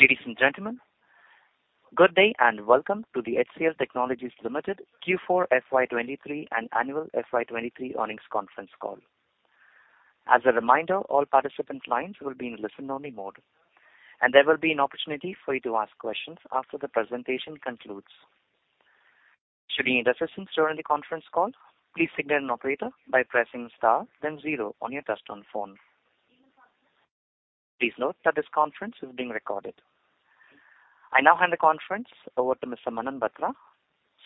Ladies and gentlemen, good day and welcome to the HCL Technologies Limited Q4 FY 2023 and Annual FY 2023 Earnings Conference Call. As a reminder, all participant lines will be in listen-only mode, and there will be an opportunity for you to ask questions after the presentation concludes. Should you need assistance during the conference call, please signal an operator by pressing star then zero on your touchtone phone. Please note that this conference is being recorded. I now hand the conference over to Mr. Manan Batra,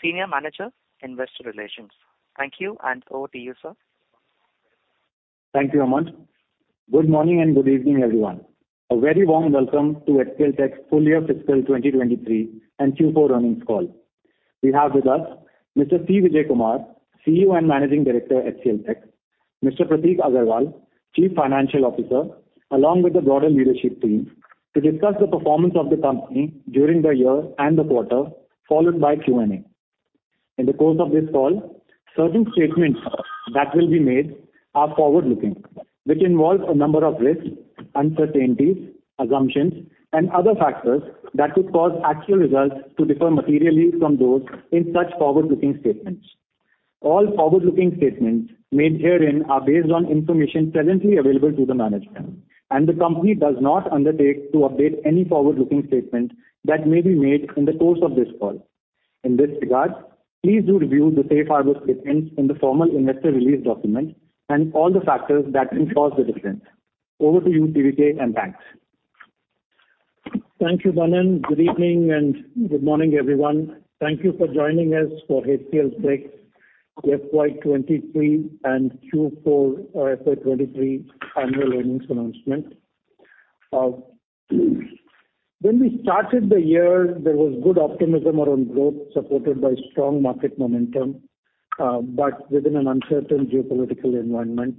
Senior Manager, Investor Relations. Thank you, and over to you, sir. Thank you, Aman. Good morning and good evening, everyone. A very warm welcome to HCLTech full year fiscal 2023 and Q4 earnings call. We have with us Mr. C. Vijayakumar, CEO and Managing Director, HCLTech. Mr. Prateek Aggarwal, Chief Financial Officer, along with the broader leadership team to discuss the performance of the company during the year and the quarter, followed by Q&A. In the course of this call, certain statements that will be made are forward-looking, which involve a number of risks, uncertainties, assumptions, and other factors that could cause actual results to differ materially from those in such forward-looking statements. All forward-looking statements made herein are based on information presently available to the management, and the company does not undertake to update any forward-looking statement that may be made in the course of this call. In this regard, please do review the safe harbor statements in the formal investor release document and all the factors that can cause the difference. Over to you, CVK, and thanks. Thank you, Manan. Good evening and good morning, everyone. Thank you for joining us for HCLTech FY 2023 and Q4 FY 2023 annual earnings announcement. When we started the year, there was good optimism around growth supported by strong market momentum, but within an uncertain geopolitical environment.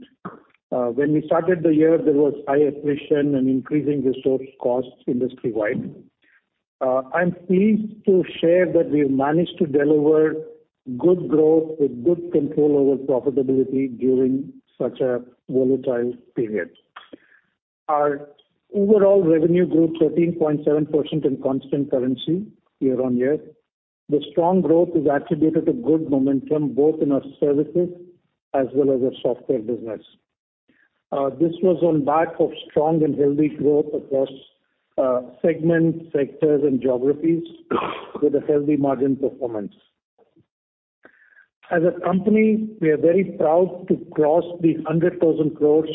When we started the year, there was high attrition and increasing resource costs industry-wide. I'm pleased to share that we've managed to deliver good growth with good control over profitability during such a volatile period. Our overall revenue grew 13.7% in Constant Currency year-on-year. The strong growth is attributed to good momentum both in our services as well as our software business. This was on back of strong and healthy growth across segments, sectors and geographies with a healthy margin performance. As a company, we are very proud to cross the 100,000 crores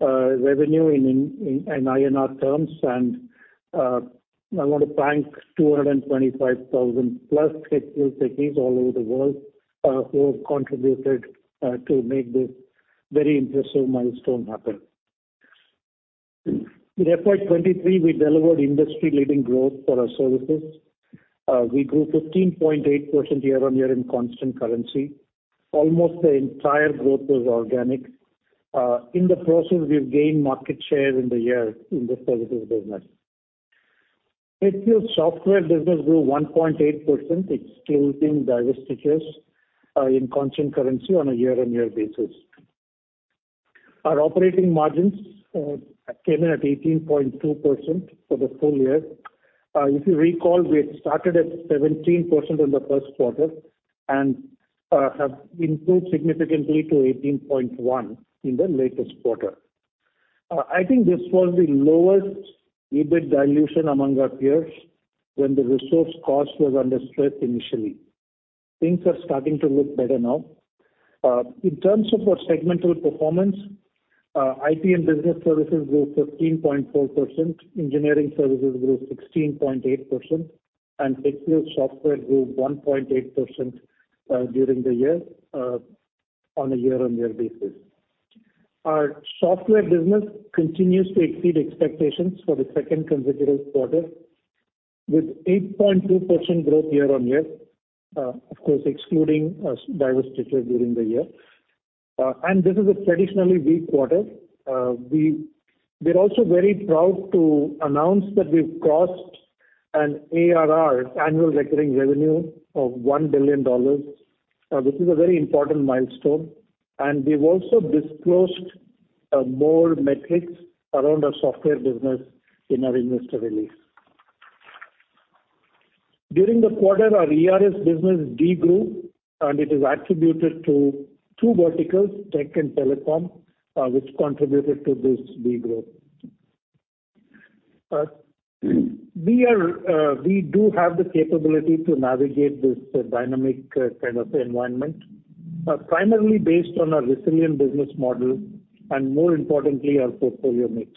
revenue in INR terms. I want to thank 225,000 plus HCLTechies all over the world who have contributed to make this very impressive milestone happen. In FY 2023, we delivered industry-leading growth for our services. We grew 15.8% year-on-year in Constant Currency. Almost the entire growth was organic. In the process, we've gained market share in the year in the services business. HCL Software business grew 1.8% excluding divestitures in Constant Currency on a year-on-year basis. Our operating margins came in at 18.2% for the full year. If you recall, we had started at 17% in the first quarter and have improved significantly to 18.1% in the latest quarter. I think this was the lowest EBIT dilution among our peers when the resource cost was under stress initially. Things are starting to look better now. In terms of our segmental performance, IT and business services grew 15.4%. Engineering services grew 16.8%. HCL Software grew 1.8% during the year on a year-on-year basis. Our software business continues to exceed expectations for the second consecutive quarter with 8.2% growth year-on-year, of course, excluding divestiture during the year. This is a traditionally weak quarter. We're also very proud to announce that we've crossed an ARR, annual recurring revenue, of $1 billion. This is a very important milestone. We've also disclosed more metrics around our software business in our investor release. During the quarter, our ERS business degrew, and it is attributed to two verticals, tech and telecom, which contributed to this degrowth. We do have the capability to navigate this dynamic kind of environment, primarily based on our resilient business model and more importantly, our portfolio mix.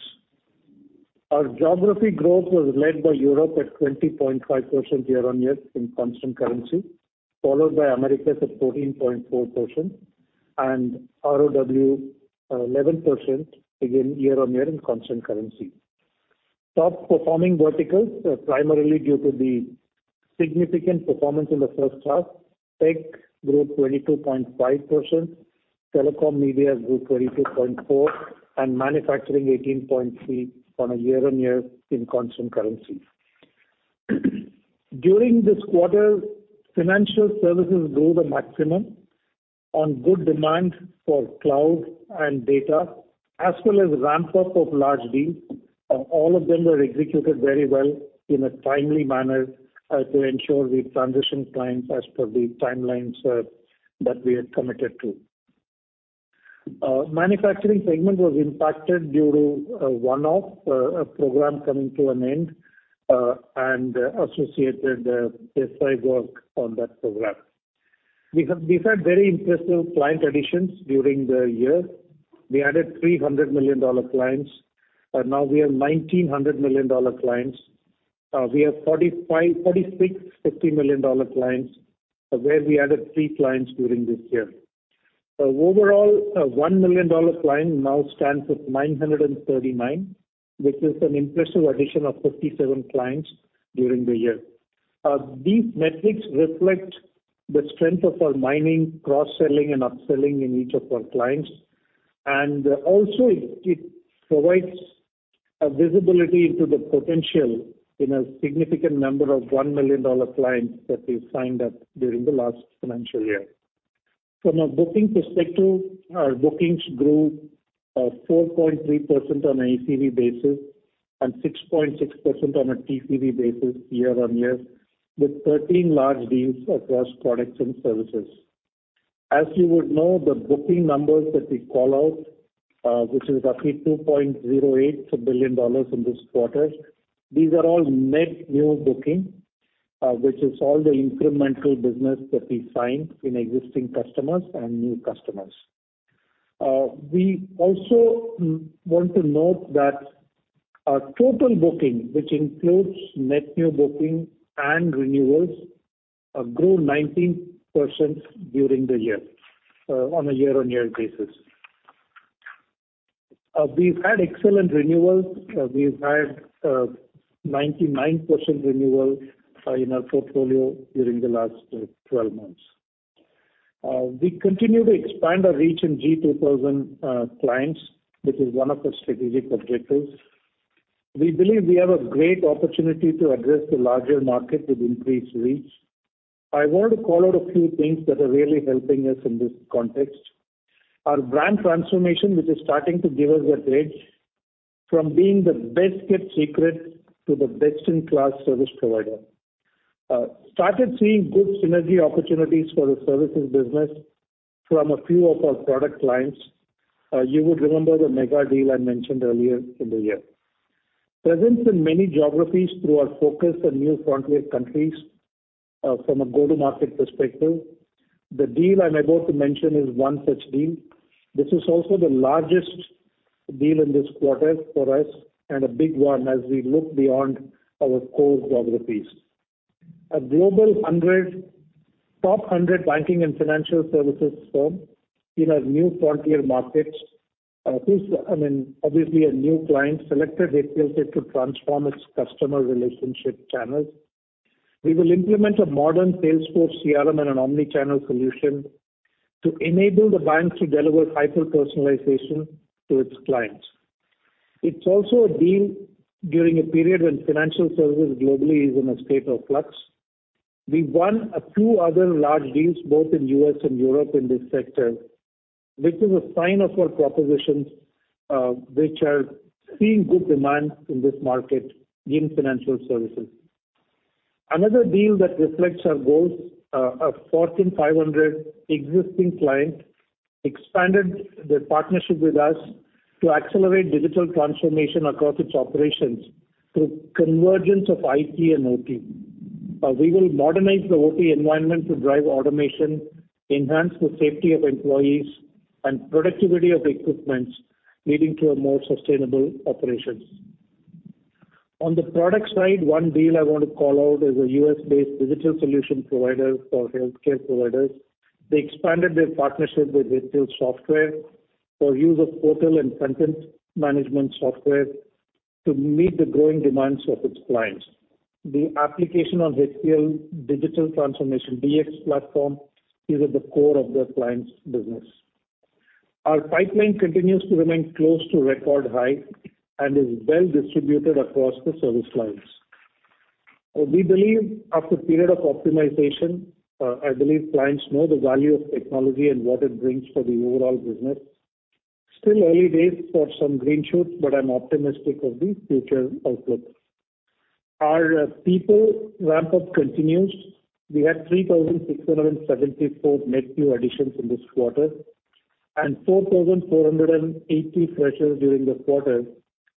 Our geography growth was led by Europe at 20.5% year-on-year in Constant Currency, followed by Americas at 14.4% and ROW 11% again year-on-year in Constant Currency. Top-performing verticals, primarily due to the significant performance in the first half, tech grew 22.5%, telecom media grew 22.4%, and manufacturing 18.3% on a year-on-year in Constant Currency. During this quarter, financial services grew the maximum on good demand for cloud and data as well as ramp up of large deals. All of them were executed very well in a timely manner to ensure we transition clients as per the timelines that we had committed to. Manufacturing segment was impacted due to one-off a program coming to an end and associated site work on that program. We've had very impressive client additions during the year. We added three $100 million clients. Now we have 19 $100 million clients. We have 46 $50 million clients where we added three clients during this year. Overall, $1 million client now stands at 939, which is an impressive addition of 57 clients during the year. These metrics reflect the strength of our mining, cross-selling and upselling in each of our clients, and also it provides a visibility into the potential in a significant number of $1 million clients that we signed up during the last financial year. From a booking perspective, our bookings grew 4.3% on ACV basis and 6.6% on a TCV basis year-on-year with 13 large deals across products and services. As you would know, the booking numbers that we call out, which is roughly $2.08 billion in this quarter, these are all net new booking, which is all the incremental business that we signed in existing customers and new customers. We also want to note that our total booking, which includes net new booking and renewals, grew 19% during the year, on a year-on-year basis. We've had excellent renewals. We've had 99% renewal in our portfolio during the last 12 months. We continue to expand our reach in G2000 clients, which is one of our strategic objectives. We believe we have a great opportunity to address the larger market with increased reach. I want to call out a few things that are really helping us in this context. Our brand transformation, which is starting to give us a edge from being the best-kept secret to the best-in-class service provider. Started seeing good synergy opportunities for the services business from a few of our product clients. You would remember the mega deal I mentioned earlier in the year. Presence in many geographies through our focus on new frontier countries from a go-to-market perspective. The deal I'm about to mention is one such deal. This is also the largest deal in this quarter for us, and a big one as we look beyond our core geographies. A Global 100, top 100 banking and financial services firm in a new frontier market, who's, I mean, obviously a new client, selected HCLTech to transform its customer relationship channels. We will implement a modern Salesforce CRM and an omnichannel solution to enable the bank to deliver hyper-personalization to its clients. It's also a deal during a period when financial services globally is in a state of flux. We won a few other large deals both in U.S. and Europe in this sector, which is a sign of our propositions, which are seeing good demand in this market in financial services. Another deal that reflects our goals, a Fortune 500 existing client expanded their partnership with us to accelerate digital transformation across its operations through convergence of IT and OT. We will modernize the OT environment to drive automation, enhance the safety of employees and productivity of equipments, leading to a more sustainable operations. On the product side, one deal I want to call out is a U.S.-based digital solution provider for healthcare providers. They expanded their partnership with HCL Software for use of portal and content management software to meet the growing demands of its clients. The application of HCL Digital transformation DX platform is at the core of the client's business. Our pipeline continues to remain close to record high and is well distributed across the service lines. We believe after a period of optimization, I believe clients know the value of technology and what it brings for the overall business. Still early days for some green shoots, but I'm optimistic of the future outlook. Our people ramp-up continues. We had 3,674 net new additions in this quarter and 4,480 freshers during the quarter,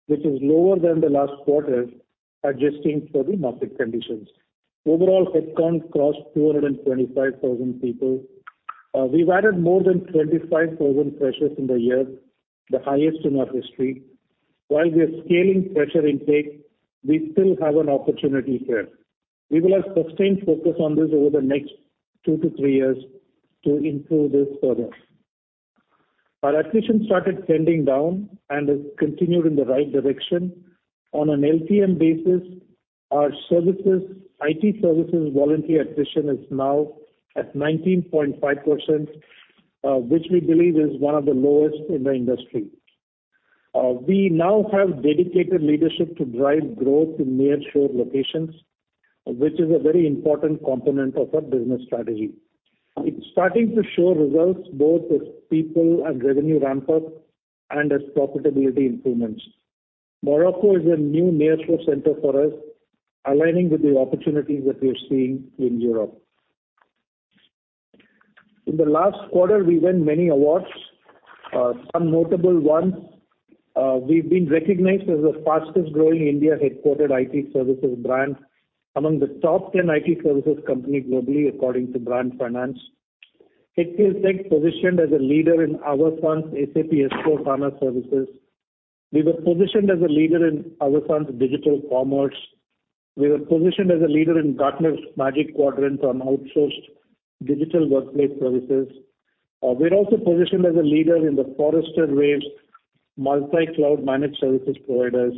which is lower than the last quarter, adjusting for the market conditions. Overall, headcount crossed 225,000 people. We've added more than 25,000 freshers in the year, the highest in our history. While we are scaling fresher intake, we still have an opportunity here. We will have sustained focus on this over the next two to three years to improve this further. Our attrition started trending down and has continued in the right direction. On an LTM basis, our services, IT services volunteer attrition is now at 19.5%, which we believe is one of the lowest in the industry. We now have dedicated leadership to drive growth in nearshore locations, which is a very important component of our business strategy. It's starting to show results both as people and revenue ramp-up and as profitability improvements. Morocco is a new nearshore center for us, aligning with the opportunities that we're seeing in Europe. In the last quarter, we won many awards. Some notable ones, we've been recognized as the fastest-growing India-headquartered IT services brand, among the top 10 IT services company globally according to Brand Finance. HCLTech positioned as a leader in Avasant SAP S/4HANA services. We were positioned as a leader in Avasant digital commerce. We were positioned as a leader in Gartner's Magic Quadrant on outsourced digital workplace services. We're also positioned as a leader in the Forrester Wave multicloud managed services providers.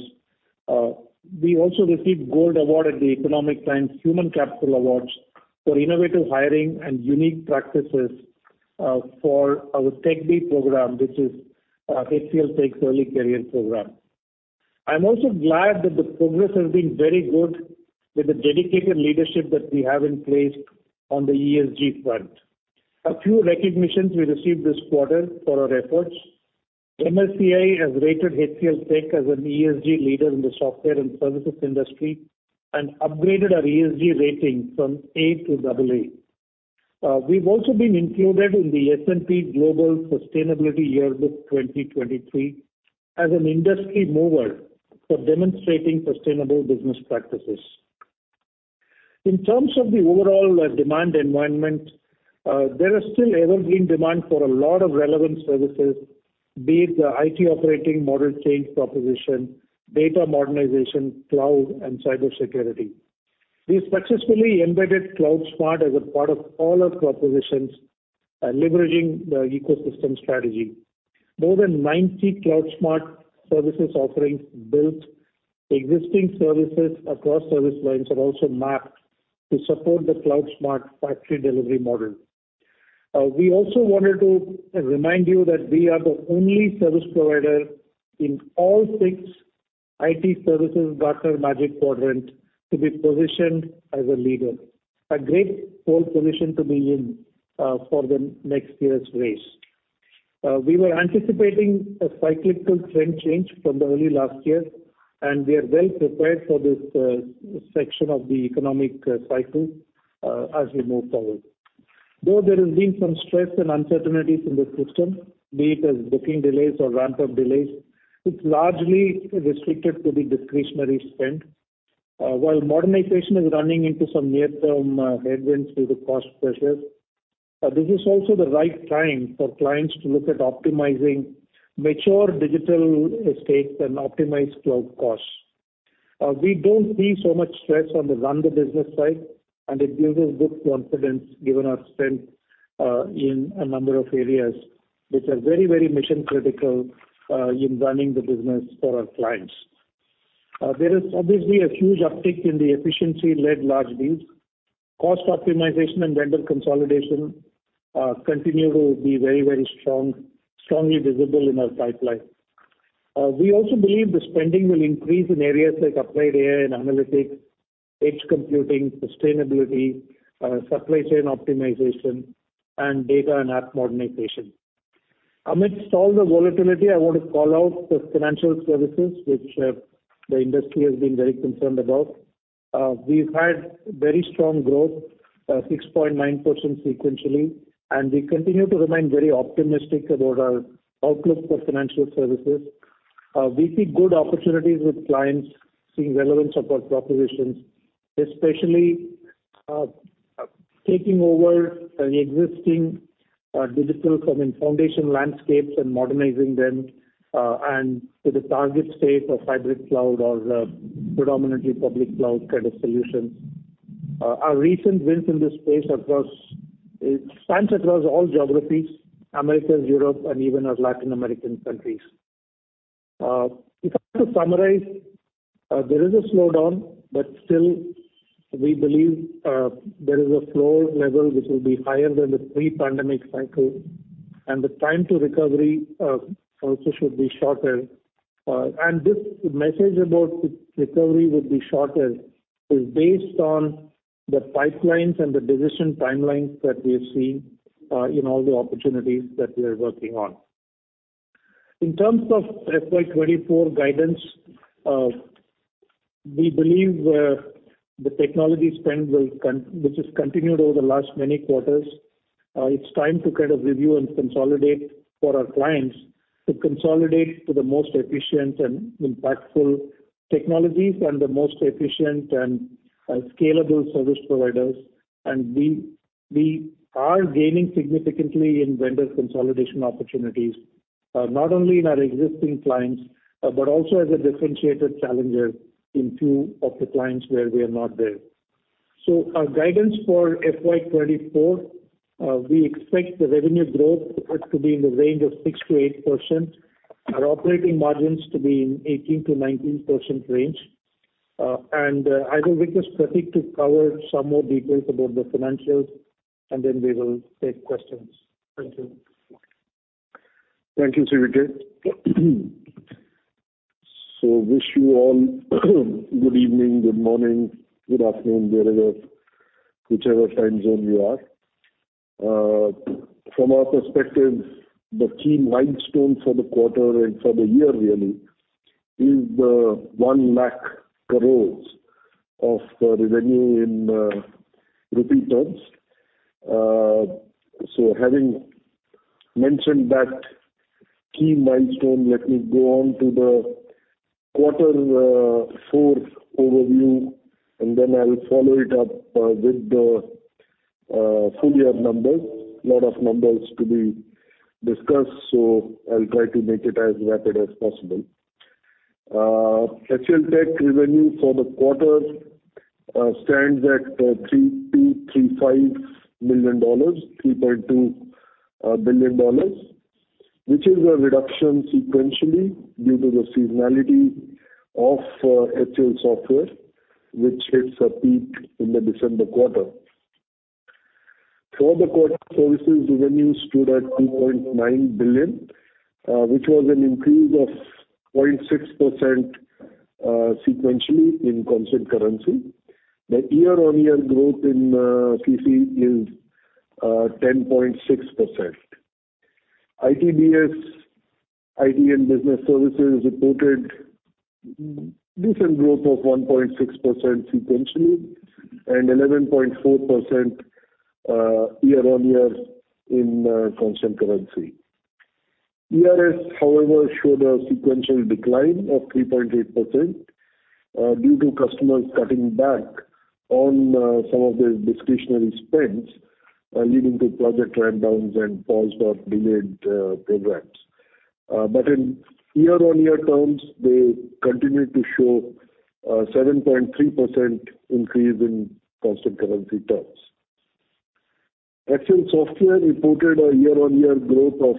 We also received gold award at The Economic Times Human Capital Awards for innovative hiring and unique practices for our TechBee program, which is HCLTech's early career program. I'm also glad that the progress has been very good with the dedicated leadership that we have in place on the ESG front. A few recognitions we received this quarter for our efforts. MSCI has rated HCLTech as an ESG leader in the software and services industry and upgraded our ESG rating from A to AA. We've also been included in the S&P Global Sustainability Yearbook 2023 as an industry mover for demonstrating sustainable business practices. In terms of the overall demand environment, there are still evergreen demand for a lot of relevant services, be it the IT operating model change proposition, data modernization, cloud, and cybersecurity. We successfully embedded CloudSMART as a part of all our propositions, leveraging the ecosystem strategy. More than 90 CloudSMART services offerings built existing services across service lines are also mapped to support the CloudSMART factory delivery model. We also wanted to remind you that we are the only service provider in all six IT services Gartner Magic Quadrant to be positioned as a leader. A great pole position to be in for the next year's race. We were anticipating a cyclical trend change from the early last year, and we are well prepared for this section of the economic cycle as we move forward. Though there has been some stress and uncertainties in the system, be it as booking delays or ramp-up delays, it's largely restricted to the discretionary spend. While modernization is running into some near-term headwinds due to cost pressures, this is also the right time for clients to look at optimizing mature digital estates and optimize cloud costs. We don't see so much stress on the run the business side, and it gives us good confidence given our strength in a number of areas which are very, very mission-critical in running the business for our clients. There is obviously a huge uptick in the efficiency-led large deals. Cost optimization and vendor consolidation continue to be very strong, strongly visible in our pipeline. We also believe the spending will increase in areas like applied AI and analytics, edge computing, sustainability, supply chain optimization, and data and app modernization. Amidst all the volatility, I want to call out the financial services which the industry has been very concerned about. We've had very strong growth, 6.9% sequentially, and we continue to remain very optimistic about our outlook for financial services. We see good opportunities with clients seeing relevance of our propositions, especially taking over the existing digital foundation landscapes and modernizing them and to the target state of hybrid cloud or the predominantly public cloud kind of solutions. Our recent wins in this space, it spans across all geographies, Americas, Europe, and even our Latin American countries. If I have to summarize, there is a slowdown, but still we believe there is a floor level which will be higher than the pre-pandemic cycle, and the time to recovery also should be shorter. This message about recovery will be shorter is based on the pipelines and the decision timelines that we have seen in all the opportunities that we are working on. In terms of FY 2024 guidance, we believe the technology spend which has continued over the last many quarters, it's time to kind of review and consolidate for our clients to consolidate to the most efficient and impactful technologies and the most efficient and scalable service providers. We are gaining significantly in vendor consolidation opportunities, not only in our existing clients, but also as a differentiated challenger in few of the clients where we are not there. Our guidance for FY 2024, we expect the revenue growth to be in the range of 6%-8%, our operating margins to be in 18%-19% range. I will request Prateek to cover some more details about the financials, and then we will take questions. Thank you. Thank you, CVK. Wish you all good evening, good morning, good afternoon, wherever, whichever time zone you are. From our perspective, the key milestone for the quarter and for the year really is the 1 lakh crores of revenue in rupee terms. So having mentioned that key milestone, let me go on to the quarter, fourth overview, and then I'll follow it up with the full year numbers. Lot of numbers to be discussed, so I'll try to make it as rapid as possible. HCLTech revenue for the quarter stands at $3.235 billion, $3.2 billion, which is a reduction sequentially due to the seasonality of HCL Software, which hits a peak in the December quarter. For the quarter, services revenue stood at $2.9 billion, which was an increase of 0.6% sequentially in Constant Currency. The year-on-year growth in CC is 10.6%. ITBS, IT and business services reported decent growth of 1.6% sequentially and 11.4% year-on-year in Constant Currency. ERS, however, showed a sequential decline of 3.8% due to customers cutting back on some of their discretionary spends, leading to project ramp-downs and paused or delayed programs. But in year-on-year terms, they continued to show a 7.3% increase in Constant Currency terms. HCL Software reported a year-on-year growth of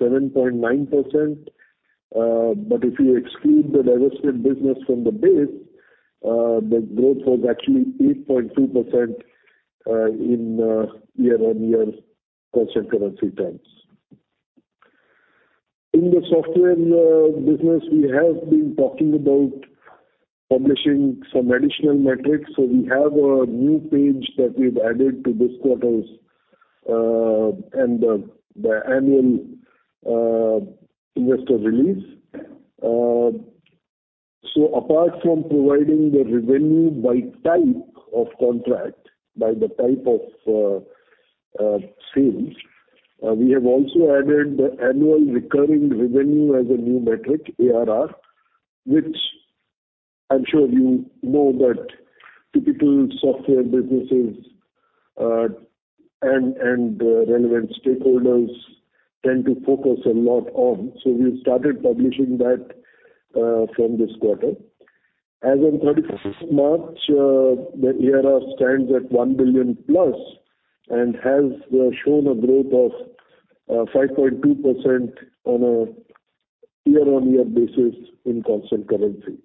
7.9%. If you exclude the divested business from the base, the growth was actually 8.2% in year-on-year Constant Currency terms. In the software business, we have been talking about publishing some additional metrics. We have a new page that we've added to this quarter's and the annual investor release. Apart from providing the revenue by type of contract, by the type of sales, we have also added the annual recurring revenue as a new metric, ARR, which I'm sure you know that typical software businesses and relevant stakeholders tend to focus a lot on. We started publishing that from this quarter. As on 31st March, the ARR stands at $1+ billion and has shown a growth of 5.2% on a year-on-year basis in Constant Currency.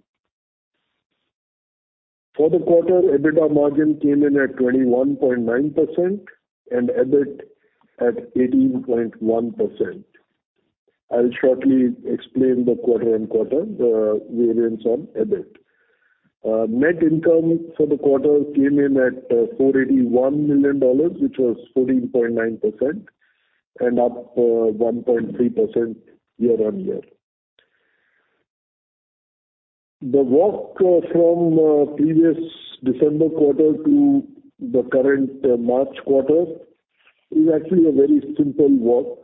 For the quarter, EBITDA margin came in at 21.9% and EBIT at 18.1%. I'll shortly explain the quarter-on-quarter variance on EBIT. Net income for the quarter came in at $481 million, which was 14.9% and up 1.3% year-on-year. The work from previous December quarter to the current March quarter is actually a very simple work.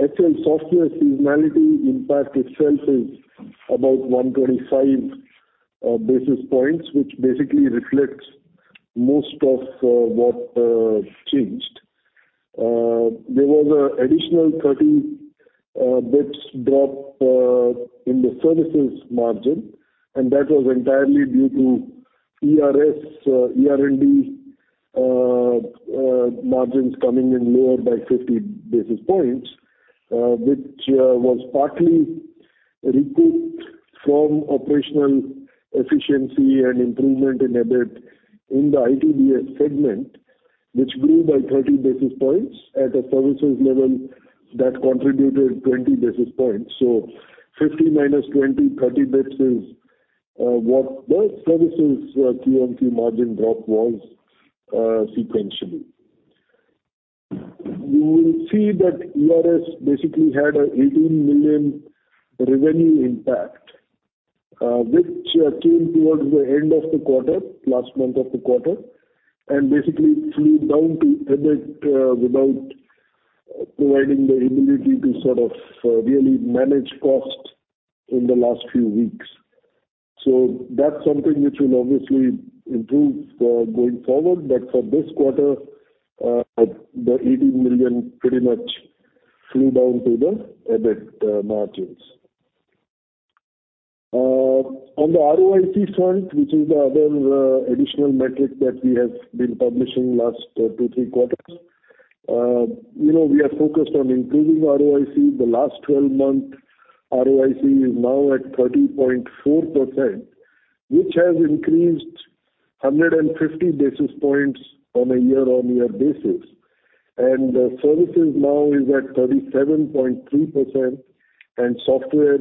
HCL Software seasonality impact itself is about 125 basis points, which basically reflects most of what changed. There was a additional 30 basis points drop in the services margin. That was entirely due to ERS, ER&D margins coming in lower by 50 basis points, which was partly recouped from operational efficiency and improvement in EBIT in the ITBS segment, which grew by 30 basis points. At a services level, that contributed 20 basis points. 50 minus 20, 30 basis points is what the services QoQ margin drop was sequentially. You will see that ERS basically had a $18 million revenue impact, which came towards the end of the quarter, last month of the quarter, and basically flew down to EBIT without providing the ability to sort of really manage costs in the last few weeks. That's something which will obviously improve going forward. For this quarter, the $18 million pretty much flew down to the EBIT margins. On the ROIC front, which is the other additional metric that we have been publishing last two, three quarters. You know, we are focused on improving ROIC. The last 12-month ROIC is now at 30.4%, which has increased 150 basis points on a year-on-year basis. Services now is at 37.3% and software,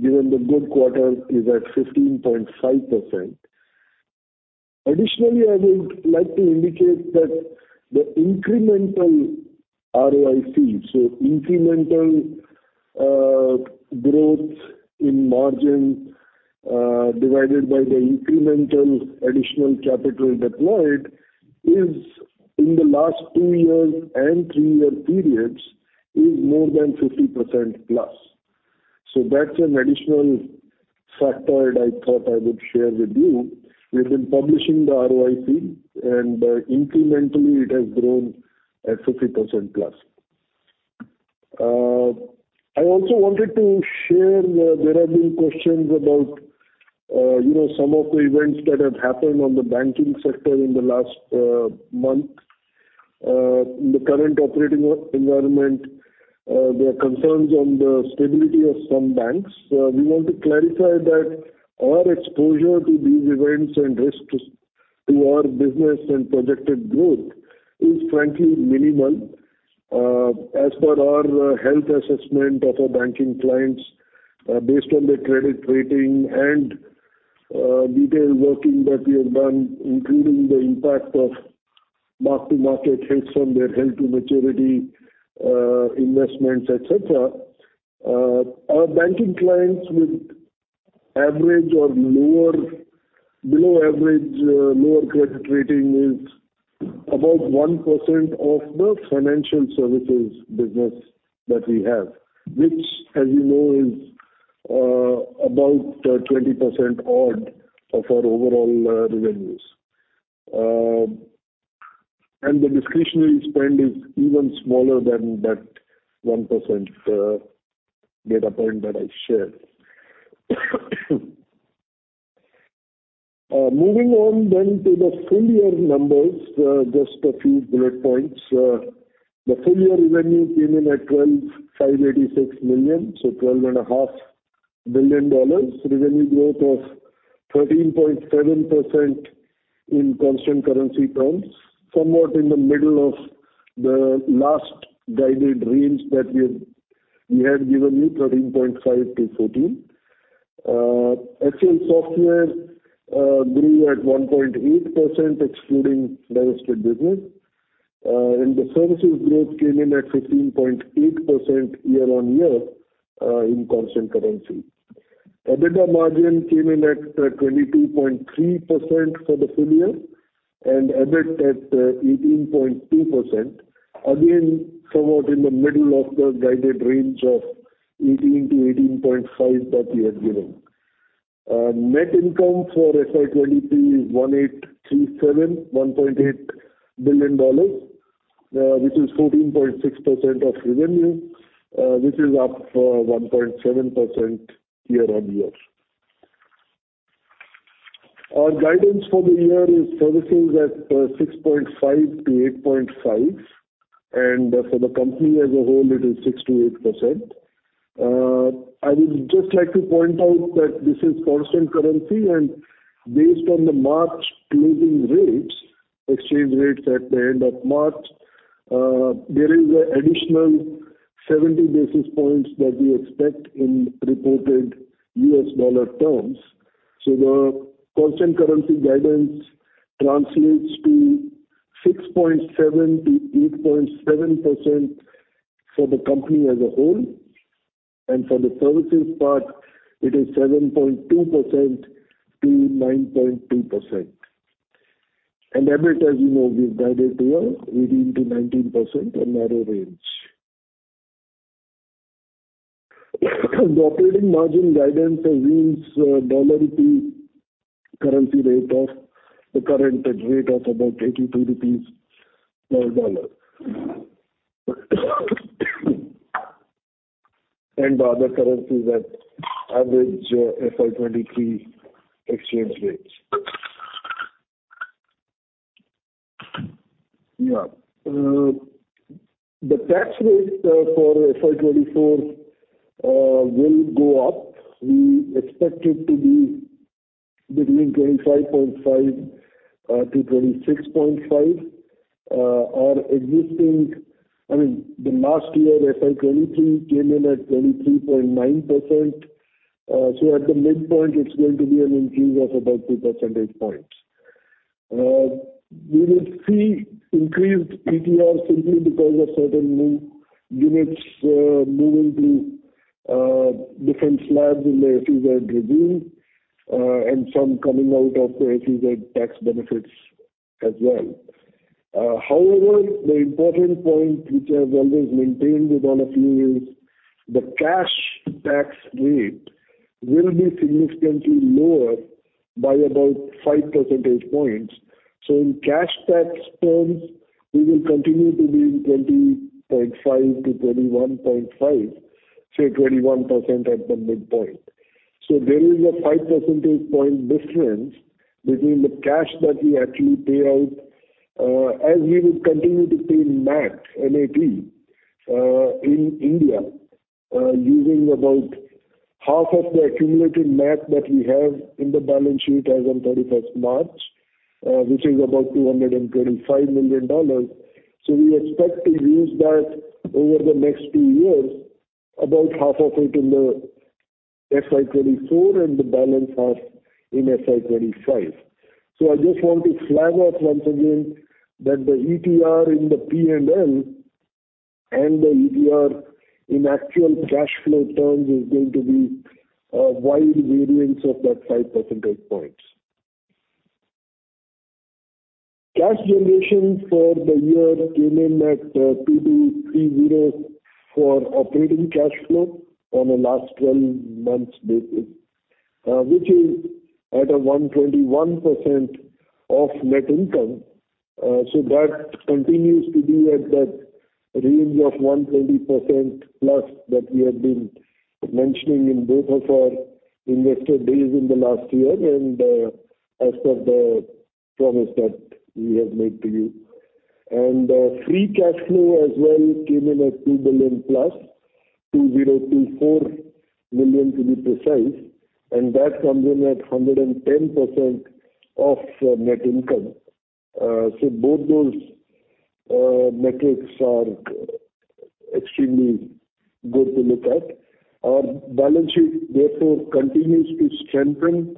given the good quarter, is at 15.5%. Additionally, I would like to indicate that the incremental ROIC, so incremental growth in margin divided by the incremental additional capital deployed, is in the last two years and three-year periods more than 50% plus. That's an additional factor that I thought I would share with you. We've been publishing the ROIC and incrementally it has grown at 50%+. I also wanted to share there have been questions about, you know, some of the events that have happened on the banking sector in the last month. In the current operating environment, there are concerns on the stability of some banks. We want to clarify that our exposure to these events and risks to our business and projected growth is frankly minimal. As per our health assessment of our banking clients, based on their credit rating and detailed working that we have done, including the impact of mark-to-market hits on their hold-to-maturity investments, et cetera. Our banking clients with average or below average lower credit rating is about 1% of the financial services business that we have, which as you know, is about 20% odd of our overall revenues. The discretionary spend is even smaller than that 1% data point that I shared. Moving on to the full year numbers, just a few bullet points. The full year revenue came in at $12,586 million, so twelve and a half billion dollars. Revenue growth of 13.7% in Constant Currency terms, somewhat in the middle of the last guided range that we had given you, 13.5%-14%. HCL Software grew at 1.8% excluding divested business. The services growth came in at 15.8% year-on-year in Constant Currency. EBITDA margin came in at 22.3% for the full year and EBIT at 18.2%. Again, somewhat in the middle of the guided range of 18%-18.5% that we had given. Net income for FY 2023, $1.837 billion, $1.8 billion, which is 14.6% of revenue, which is up 1.7% year-on-year. Our guidance for the year is services at 6.5%-8.5%. For the company as a whole it is 6%-8%. I would just like to point out that this is Constant Currency and based on the March closing rates, exchange rates at the end of March, there is an additional 70 basis points that we expect in reported U.S. dollar terms. The Constant Currency guidance translates to 6.7%-8.7% for the company as a whole. For the services part it is 7.2%-9.2%. EBIT, as you know, we've guided there 18%-19%, a narrow range. The operating margin guidance assumes dollar rupee currency rate of the current rate of about INR 82 per dollar. The other currencies at average FY 2023 exchange rates. The tax rate for FY 2024 will go up. We expect it to be between 25.5%-26.5%. I mean, the last year FY 2023 came in at 23.9%. At the midpoint it's going to be an increase of about 2 percentage points. We will see increased ETR simply because of certain new units, moving to different slabs in the SEZ regime, and some coming out of the SEZ tax benefits as well. However, the important point which I've always maintained with all of you is the cash tax rate will be significantly lower by about 5 percentage points. In cash tax terms, we will continue to be in 20.5%-21.5%. Say 21% at the midpoint. There is a 5 percentage point difference between the cash that we actually pay out, as we would continue to pay MAT, M-A-T, in India, using about half of the accumulated MAT that we have in the balance sheet as on 31st March, which is about $225 million. We expect to use that over the next two years, about half of it in the FY 2024 and the balance half in FY 2025. I just want to flag up once again that the ETR in the P&L and the ETR in actual cash flow terms is going to be a wide variance of that 5 percentage points. Cash generation for the year came in at $2,230 million for operating cash flow on a last 12 months basis, which is at a 121% of net income. That continues to be at that range of 120% plus that we have been mentioning in both of our investor days in the last year and as per the promise that we have made to you. Free cash flow as well came in at $2 billion plus, $2,024 million to be precise, and that comes in at 110% of net income. Both those metrics are extremely good to look at. Our balance sheet therefore continues to strengthen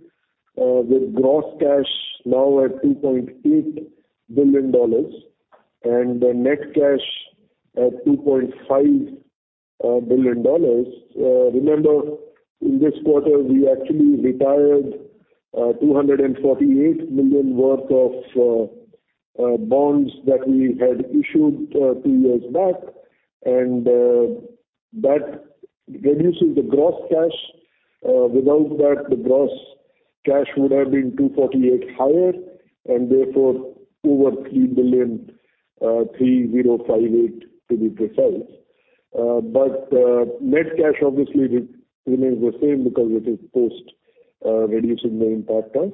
with gross cash now at $2.8 billion and the net cash at $2.5 billion. Remember in this quarter, we actually retired $248 million worth of bonds that we had issued two years back. That reduces the gross cash. Without that, the gross cash would have been $248 higher and therefore over $3 billion, $3,058 million to be precise. But net cash obviously remains the same because it is post reducing the impact of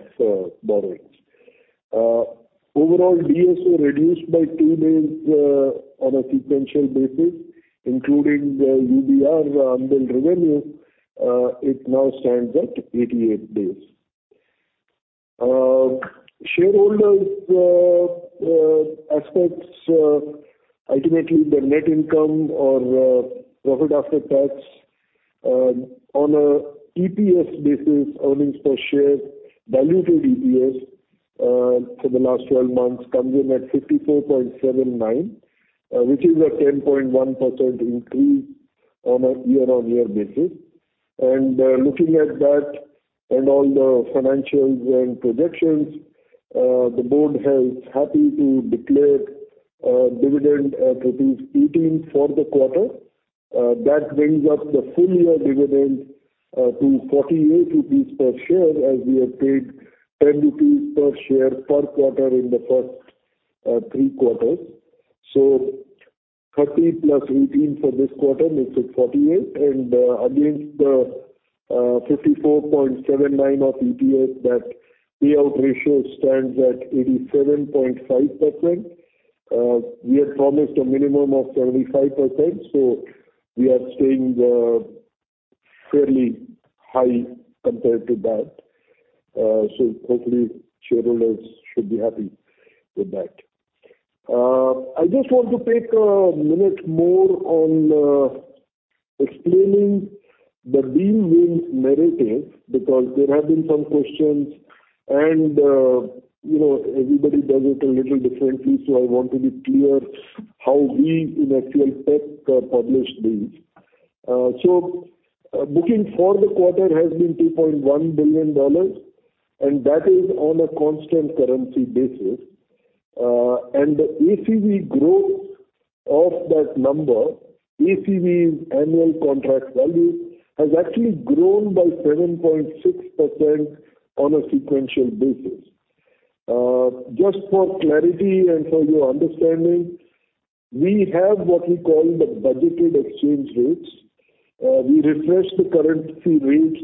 borrowings. Overall DSO reduced by two days on a sequential basis, including the UDR, unbilled revenue. It now stands at 88 days. Shareholders' aspects, ultimately the net income or profit after tax, on an EPS basis, earnings per share, diluted EPS, for the last 12 months comes in at 54.79, which is a 10.1% increase on a year-on-year basis. Looking at that and all the financials and projections, the board is happy to declare a dividend of 18 for the quarter. That brings up the full year dividend to 48 rupees per share, as we have paid 10 rupees per share per quarter in the first three quarters. 30 plus 18 for this quarter makes it 48. Against the 54.79 of EPS, that payout ratio stands at 87.5%. We have promised a minimum of 75%, so we are staying fairly high compared to that. Hopefully shareholders should be happy with that. I just want to take a minute more on explaining the deal wins narrative because there have been some questions and, you know, everybody does it a little differently, so I want to be clear how we in actual fact, publish these. Booking for the quarter has been $2.1 billion, and that is on a Constant Currency basis. The ACV growth of that number, ACV is annual contract value, has actually grown by 7.6% on a sequential basis. Just for clarity and for your understanding, we have what we call the budgeted exchange rates. We refresh the currency rates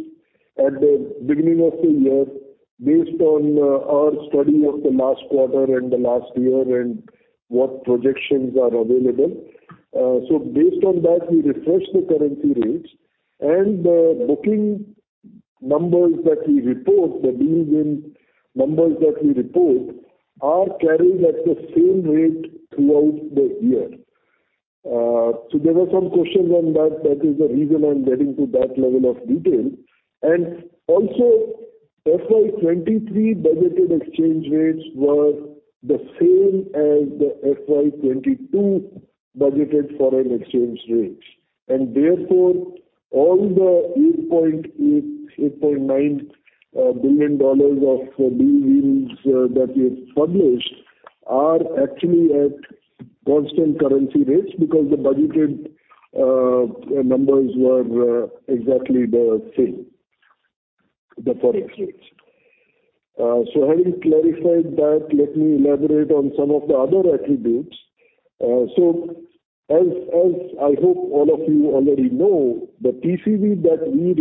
at the beginning of the year based on our study of the last quarter and the last year and what projections are available. Based on that, we refresh the currency rates and the booking numbers that we report, the deal wins numbers that we report are carried at the same rate throughout the year. There were some questions on that. That is the reason I'm getting to that level of detail. FY 2023 budgeted exchange rates were the same as the FY 2022 budgeted foreign exchange rates. All the $8.8 billion-$8.9 billion of deal wins that we've published are actually at Constant Currency rates because the budgeted numbers were exactly the same, the Forex rates. Having clarified that, let me elaborate on some of the other attributes. As I hope all of you already know, the TCV that we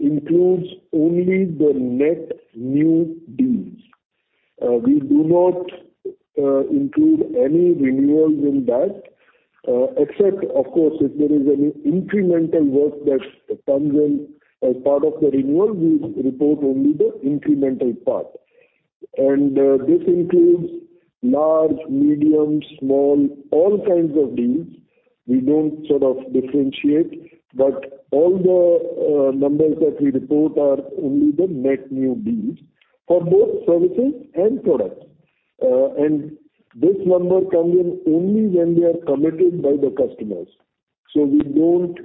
report includes only the net new deals. We do not include any renewals in that, except of course, if there is any incremental work that comes in as part of the renewal, we report only the incremental part. This includes large, medium, small, all kinds of deals. We don't sort of differentiate. All the numbers that we report are only the net new deals for both services and products. This number comes in only when they are committed by the customers. We don't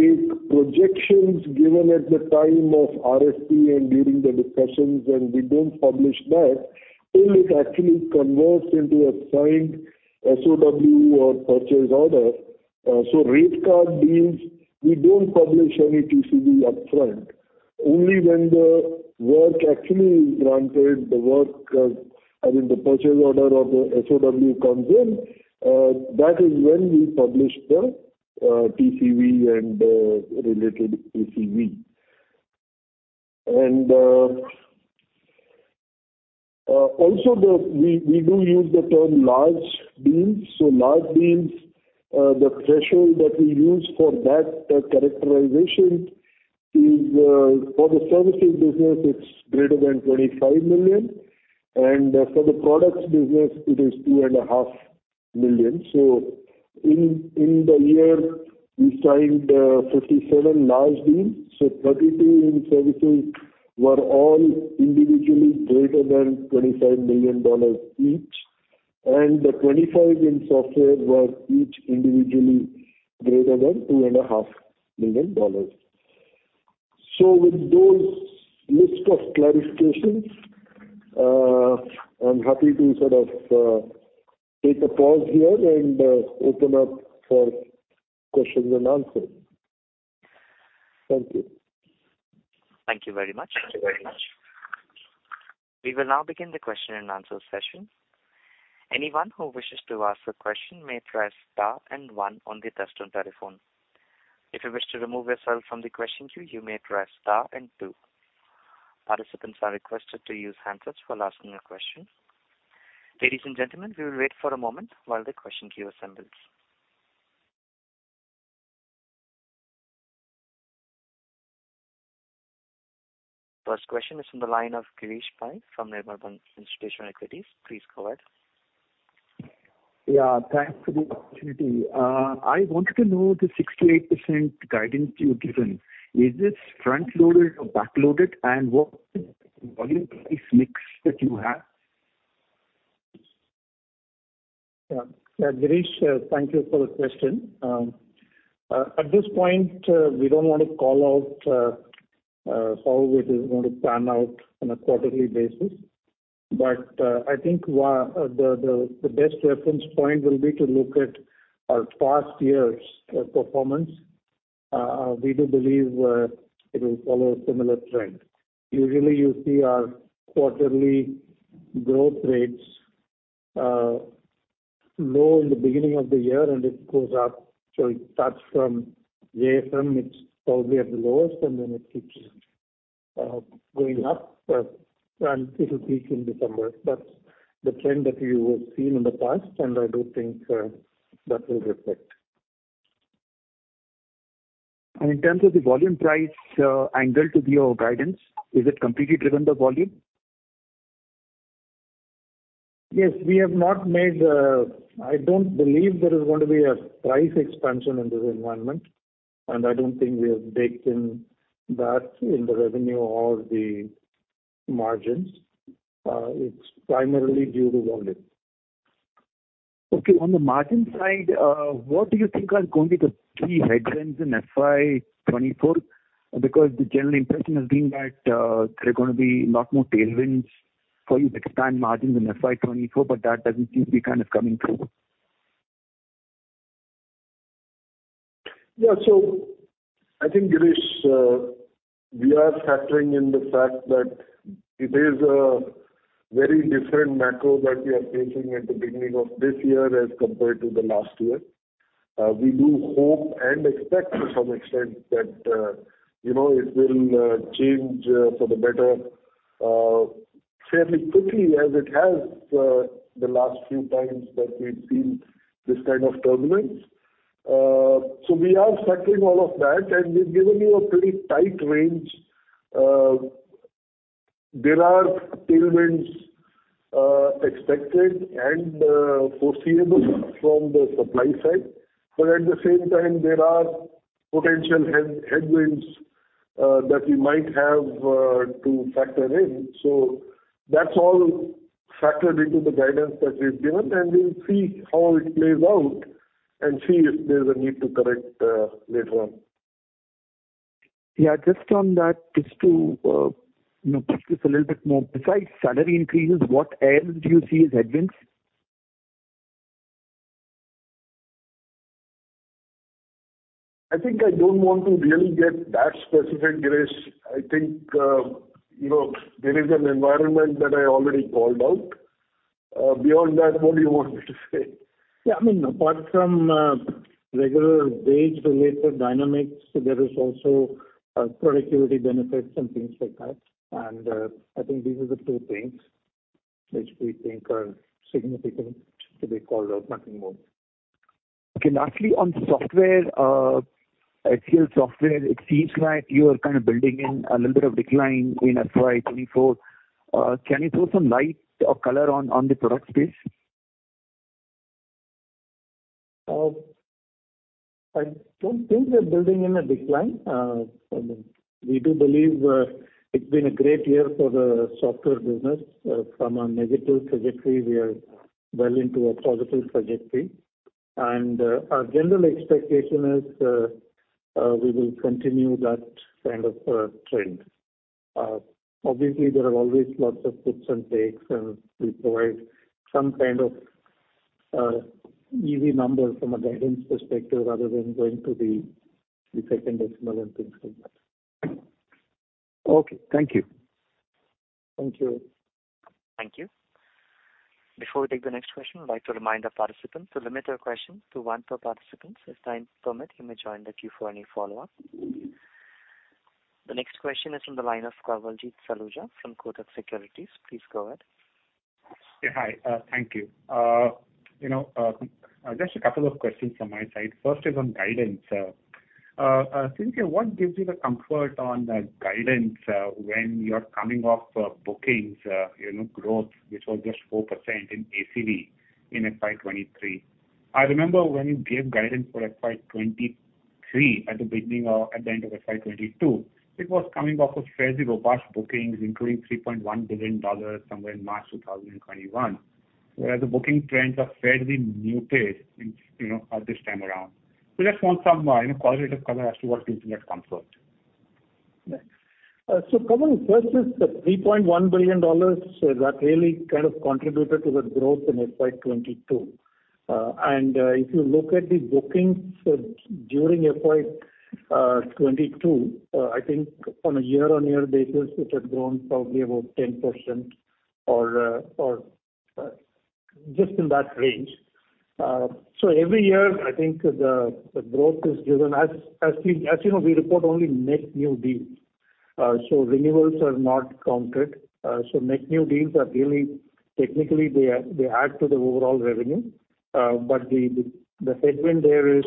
take projections given at the time of RFP and during the discussions, and we don't publish that till it actually converts into a signed SOW or purchase order. Rate card deals, we don't publish any TCV upfront. Only when the work actually granted the work, I mean the purchase order of the SOW comes in, that is when we publish the TCV and related ACV. We do use the term large deals. Large deals, the threshold that we use for that characterization is for the services business, it's greater than $25 million, and for the products business it is $2.5 million. In the year, we signed 57 large deals. 32 in services were all individually greater than $25 million each, and the 25 in software were each individually greater than $2.5 million. With those list of clarifications, I'm happy to sort of take a pause here and open up for Q&A. Thank you. Thank you very much. We will now begin the Q&A session. Anyone who wishes to ask a question may press star and one on the touchtone telephone. If you wish to remove yourself from the question queue, you may press star and two. Participants are requested to use handsets for asking a question. Ladies and gentlemen, we will wait for a moment while the question queue assembles. First question is from the line of Girish Pai from Nirmal Bang Institutional Equities. Please go ahead. Yeah, thanks for the opportunity. I wanted to know the 6%-8% guidance you've given. Is this front-loaded or back-loaded? What volume price mix that you have? Girish, thank you for the question. At this point, we don't want to call out how it is going to pan out on a quarterly basis. I think the best reference point will be to look at our past year's performance. We do believe, it will follow a similar trend. Usually, you see our quarterly growth rates low in the beginning of the year and it goes up. It starts from JFM, it's probably at the lowest and then it keeps going up, and it will peak in December. That's the trend that we have seen in the past, and I do think that will reflect. In terms of the volume price, angle to give a guidance, is it completely driven the volume? Yes. We have not made. I don't believe there is going to be a price expansion in this environment, and I don't think we have baked in that in the revenue or the margins. It's primarily due to volume. Okay. On the margin side, what do you think are going to be the key headwinds in FY 2024? The general impression has been that, there are gonna be a lot more tailwinds for you to expand margins in FY 2024, but that doesn't seem to be kind of coming through. Yeah. I think, Girish, we are factoring in the fact that it is a very different macro that we are facing at the beginning of this year as compared to the last year. We do hope and expect to some extent that, you know, it will change for the better fairly quickly as it has the last few times that we've seen this kind of turbulence. We are factoring all of that, and we've given you a pretty tight range. There are tailwinds expected and foreseeable from the supply side. At the same time, there are potential headwinds that we might have to factor in. That's all factored into the guidance that we've given, and we'll see how it plays out and see if there's a need to correct later on. Just on that, just to, you know, push this a little bit more, besides salary increases, what else do you see as headwinds? I think I don't want to really get that specific, Girish. I think, you know, there is an environment that I already called out. Beyond that, what do you want me to say? Yeah, I mean, apart from regular wage-related dynamics, there is also productivity benefits and things like that. I think these are the two things which we think are significant to be called out, nothing more. Okay. Lastly, on software, HCL Software, it seems like you're kind of building in a little bit of decline in FY 2024. Can you throw some light or color on the product space? I don't think we're building in a decline. We do believe, it's been a great year for the software business. From a negative trajectory, we are well into a positive trajectory. Our general expectation is, we will continue that kind of trend. Obviously, there are always lots of gives and takes, and we provide some kind of easy numbers from a guidance perspective rather than going to the second decimal and things like that. Okay, thank you. Thank you. Thank you. Before we take the next question, I'd like to remind our participants to limit their questions to one per participant. If time permits, you may join the queue for any follow-up. The next question is from the line of Kawaljeet Saluja from Kotak Securities. Please go ahead. Yeah, hi. Thank you. You know, just a couple of questions from my side. First is on guidance. CVK, what gives you the comfort on the guidance, when you're coming off bookings, you know, growth, which was just 4% in ACV in FY 2023? I remember when you gave guidance for FY 2023 at the end of FY2022, it was coming off of fairly robust bookings, including $3.1 billion somewhere in March 2021. Whereas the booking trends are fairly muted in, you know, this time around. Just want some, you know, qualitative color as to what gives you that comfort. Kawal, first is the $3.1 billion, that really kind of contributed to the growth in FY 2022. If you look at the bookings, during FY 2022, I think on a year-on-year basis, it had grown probably about 10% or just in that range. Every year I think the growth is driven. As you know, we report only net new deals. Renewals are not counted. Net new deals are really technically they add to the overall revenue, but the headwind there is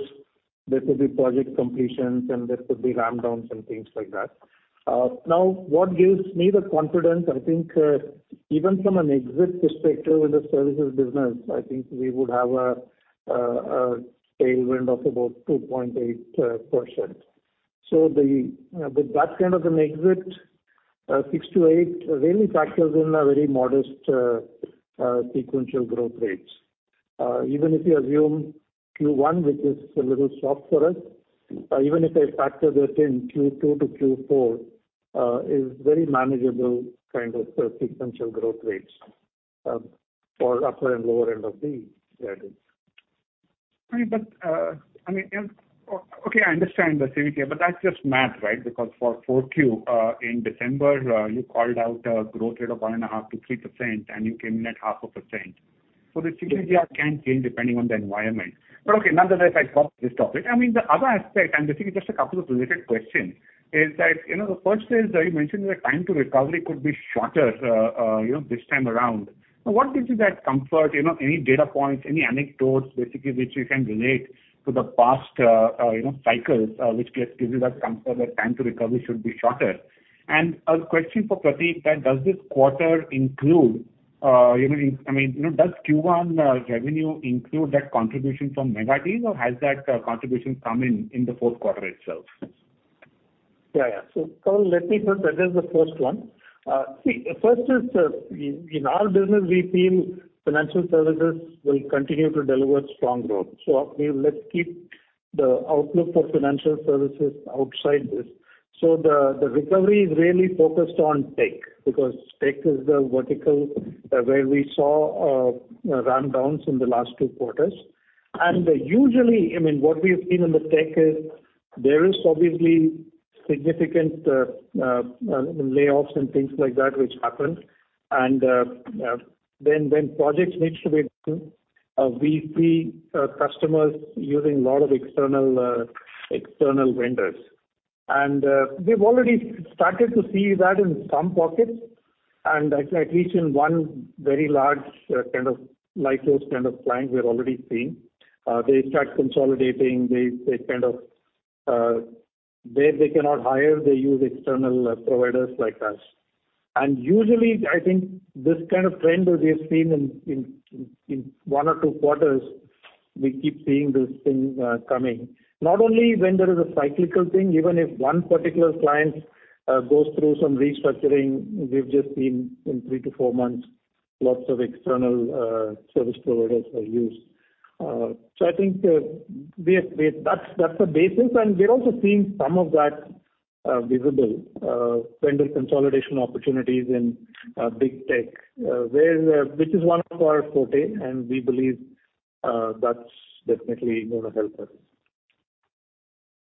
there could be project completions and there could be ram downs and things like that. Now what gives me the confidence, I think, even from an exit perspective in the services business, I think we would have a tailwind of about 2.8%. With that kind of an exit, 6%-8% really factors in a very modest sequential growth rates. Even if you assume Q1, which is a little soft for us, even if I factor that in Q2 to Q4, is very manageable kind of sequential growth rates, for upper and lower end of the guidance. I mean, okay, I understand CVK, but that's just math, right? For Q4 in December, you called out a growth rate of 1.5% to 3% and you came in at 0.5%. This definitely can change depending on the environment. Okay, nonetheless, I drop this topic. I mean, the other aspect, and this is just a couple of related questions, is that, you know, the first is, you mentioned the time to recovery could be shorter, you know, this time around. What gives you that comfort, you know, any data points, any anecdotes basically, which you can relate to the past, you know, cycles, which gives you that comfort that time to recovery should be shorter? A question for Prateek that does this quarter include, you know, I mean, you know, does Q1 revenue include that contribution from mega deals or has that contribution come in the fourth quarter itself? Yeah. Kawal, let me first address the first one. See, first is, in our business, we feel financial services will continue to deliver strong growth. Let's keep the outlook for financial services outside this. The recovery is really focused on tech, because tech is the vertical where we saw ram downs in the last two quarters. Usually, I mean, what we've seen in the tech is there is obviously significant layoffs and things like that which happened. Then projects need to be done. We see customers using a lot of external vendors. We've already started to see that in some pockets. At least in one very large, kind of like those kind of clients we're already seeing, they start consolidating. They, they kind of, where they cannot hire, they use external providers like us. Usually, I think this kind of trend we have seen in one or two quarters, we keep seeing this thing coming. Not only when there is a cyclical thing, even if one particular client, goes through some restructuring, we've just seen in three to four months, lots of external service providers are used. I think, we have that's the basis, and we're also seeing some of that. Visible, vendor consolidation opportunities in, big tech, where, which is one of our forte, and we believe, that's definitely gonna help us.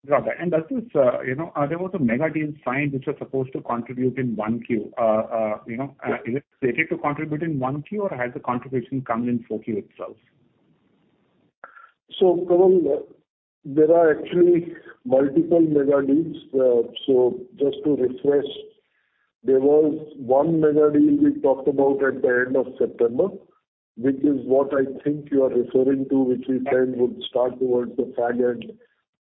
Got that. That is, you know, are there other mega deals signed which are supposed to contribute in Q1? Is it stated to contribute in Q1 or has the contribution come in Q4 itself? Kawal, there are actually multiple mega deals. Just to refresh, there was one mega deal we talked about at the end of September, which is what I think you are referring to, which we said would start towards the second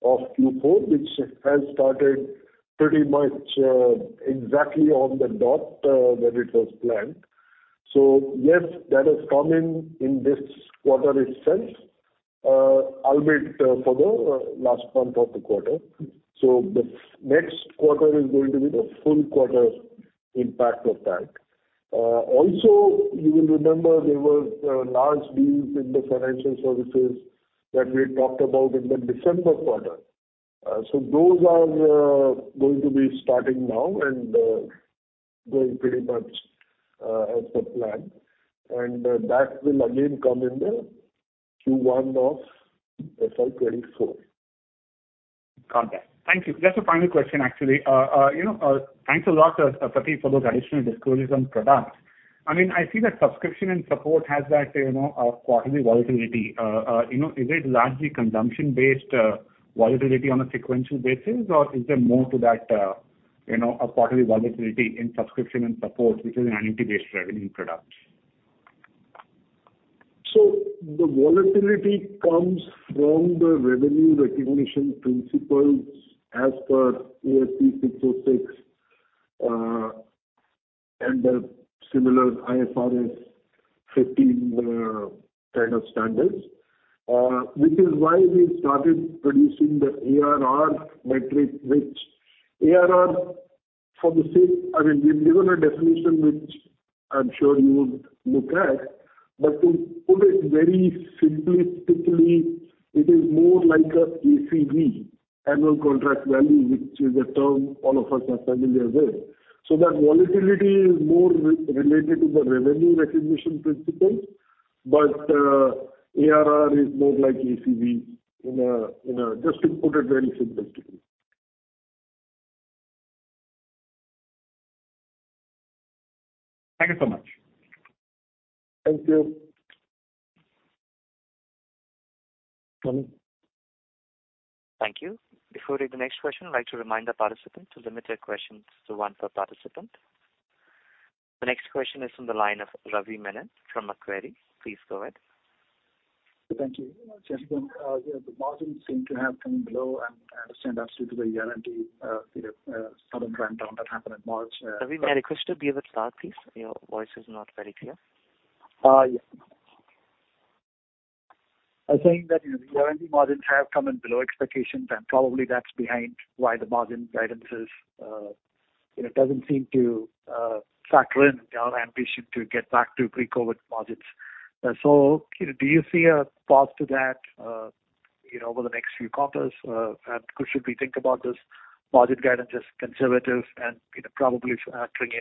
of Q4, which has started pretty much exactly on the dot when it was planned. Yes, that has come in in this quarter itself, albeit for the last month of the quarter. The next quarter is going to be the full quarter impact of that. Also you will remember there were large deals in the financial services that we talked about in the December quarter. Those are going to be starting now and going pretty much as per plan. That will again come in the Q1 of FY 2024. Got that. Thank you. Just a final question, actually. You know, thanks a lot, Prateek, for those additional disclosures on products. I mean, I see that subscription and support has that, you know, quarterly volatility. You know, is it largely consumption-based, volatility on a sequential basis, or is there more to that, you know, a quarterly volatility in subscription and support, which is an annuity-based revenue product? The volatility comes from the revenue recognition principles as per ASC 606 and the similar IFRS 15 kind of standards. Which is why we started producing the ARR metric, which ARR I mean, we've given a definition which I'm sure you would look at, but to put it very simplistically, it is more like a ACV, annual contract value, which is a term all of us are familiar with. That volatility is more related to the revenue recognition principle. ARR is more like ACV in a just to put it very simplistically. Thank you so much. Thank you. Thank you. Before the next question, I'd like to remind our participants to limit their questions to one per participant. The next question is from the line of Ravi Menon from Macquarie. Please go ahead. Thank you. Just then, you know, the margins seem to have come in below, and I understand that's due to the R&D, you know, sudden ramp down that happened in March. Ravi, may I request you to be a bit loud, please? Your voice is not very clear. Yes. I was saying that, you know, R&D margins have come in below expectations, and probably that's behind why the margin guidance is, you know, doesn't seem to factor in our ambition to get back to pre-COVID margins. You know, do you see a path to that, you know, over the next few quarters? Should we think about this margin guidance as conservative and, you know, probably, bring in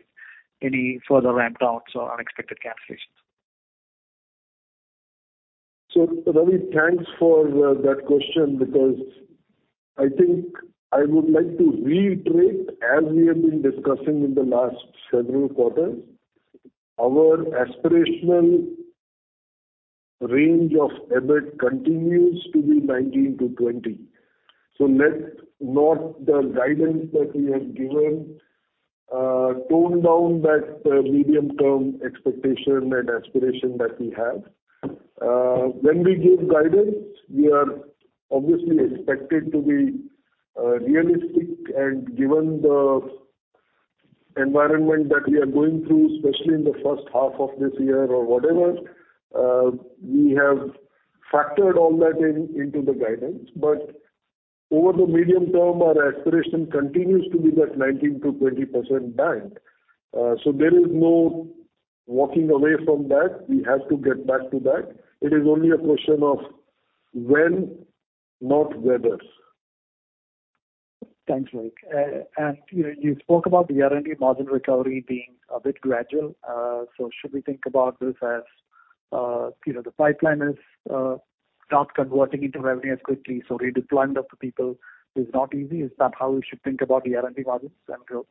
any further ramp downs or unexpected cancellations? Ravi, thanks for that question because I think I would like to reiterate, as we have been discussing in the last several quarters, our aspirational range of EBIT continues to be 19%-20%. Let's not, the guidance that we have given, tone down that medium-term expectation and aspiration that we have. When we give guidance, we are obviously expected to be realistic and given the environment that we are going through, especially in the first half of this year or whatever, we have factored all that in, into the guidance. Over the medium term, our aspiration continues to be that 19%-20% band. There is no walking away from that. We have to get back to that. It is only a question of when, not whether. Thanks, Prateek. You know, you spoke about the R&D margin recovery being a bit gradual. Should we think about this as, you know, the pipeline is, not converting into revenue as quickly, so redeploying of the people is not easy. Is that how we should think about the R&D margins and growth?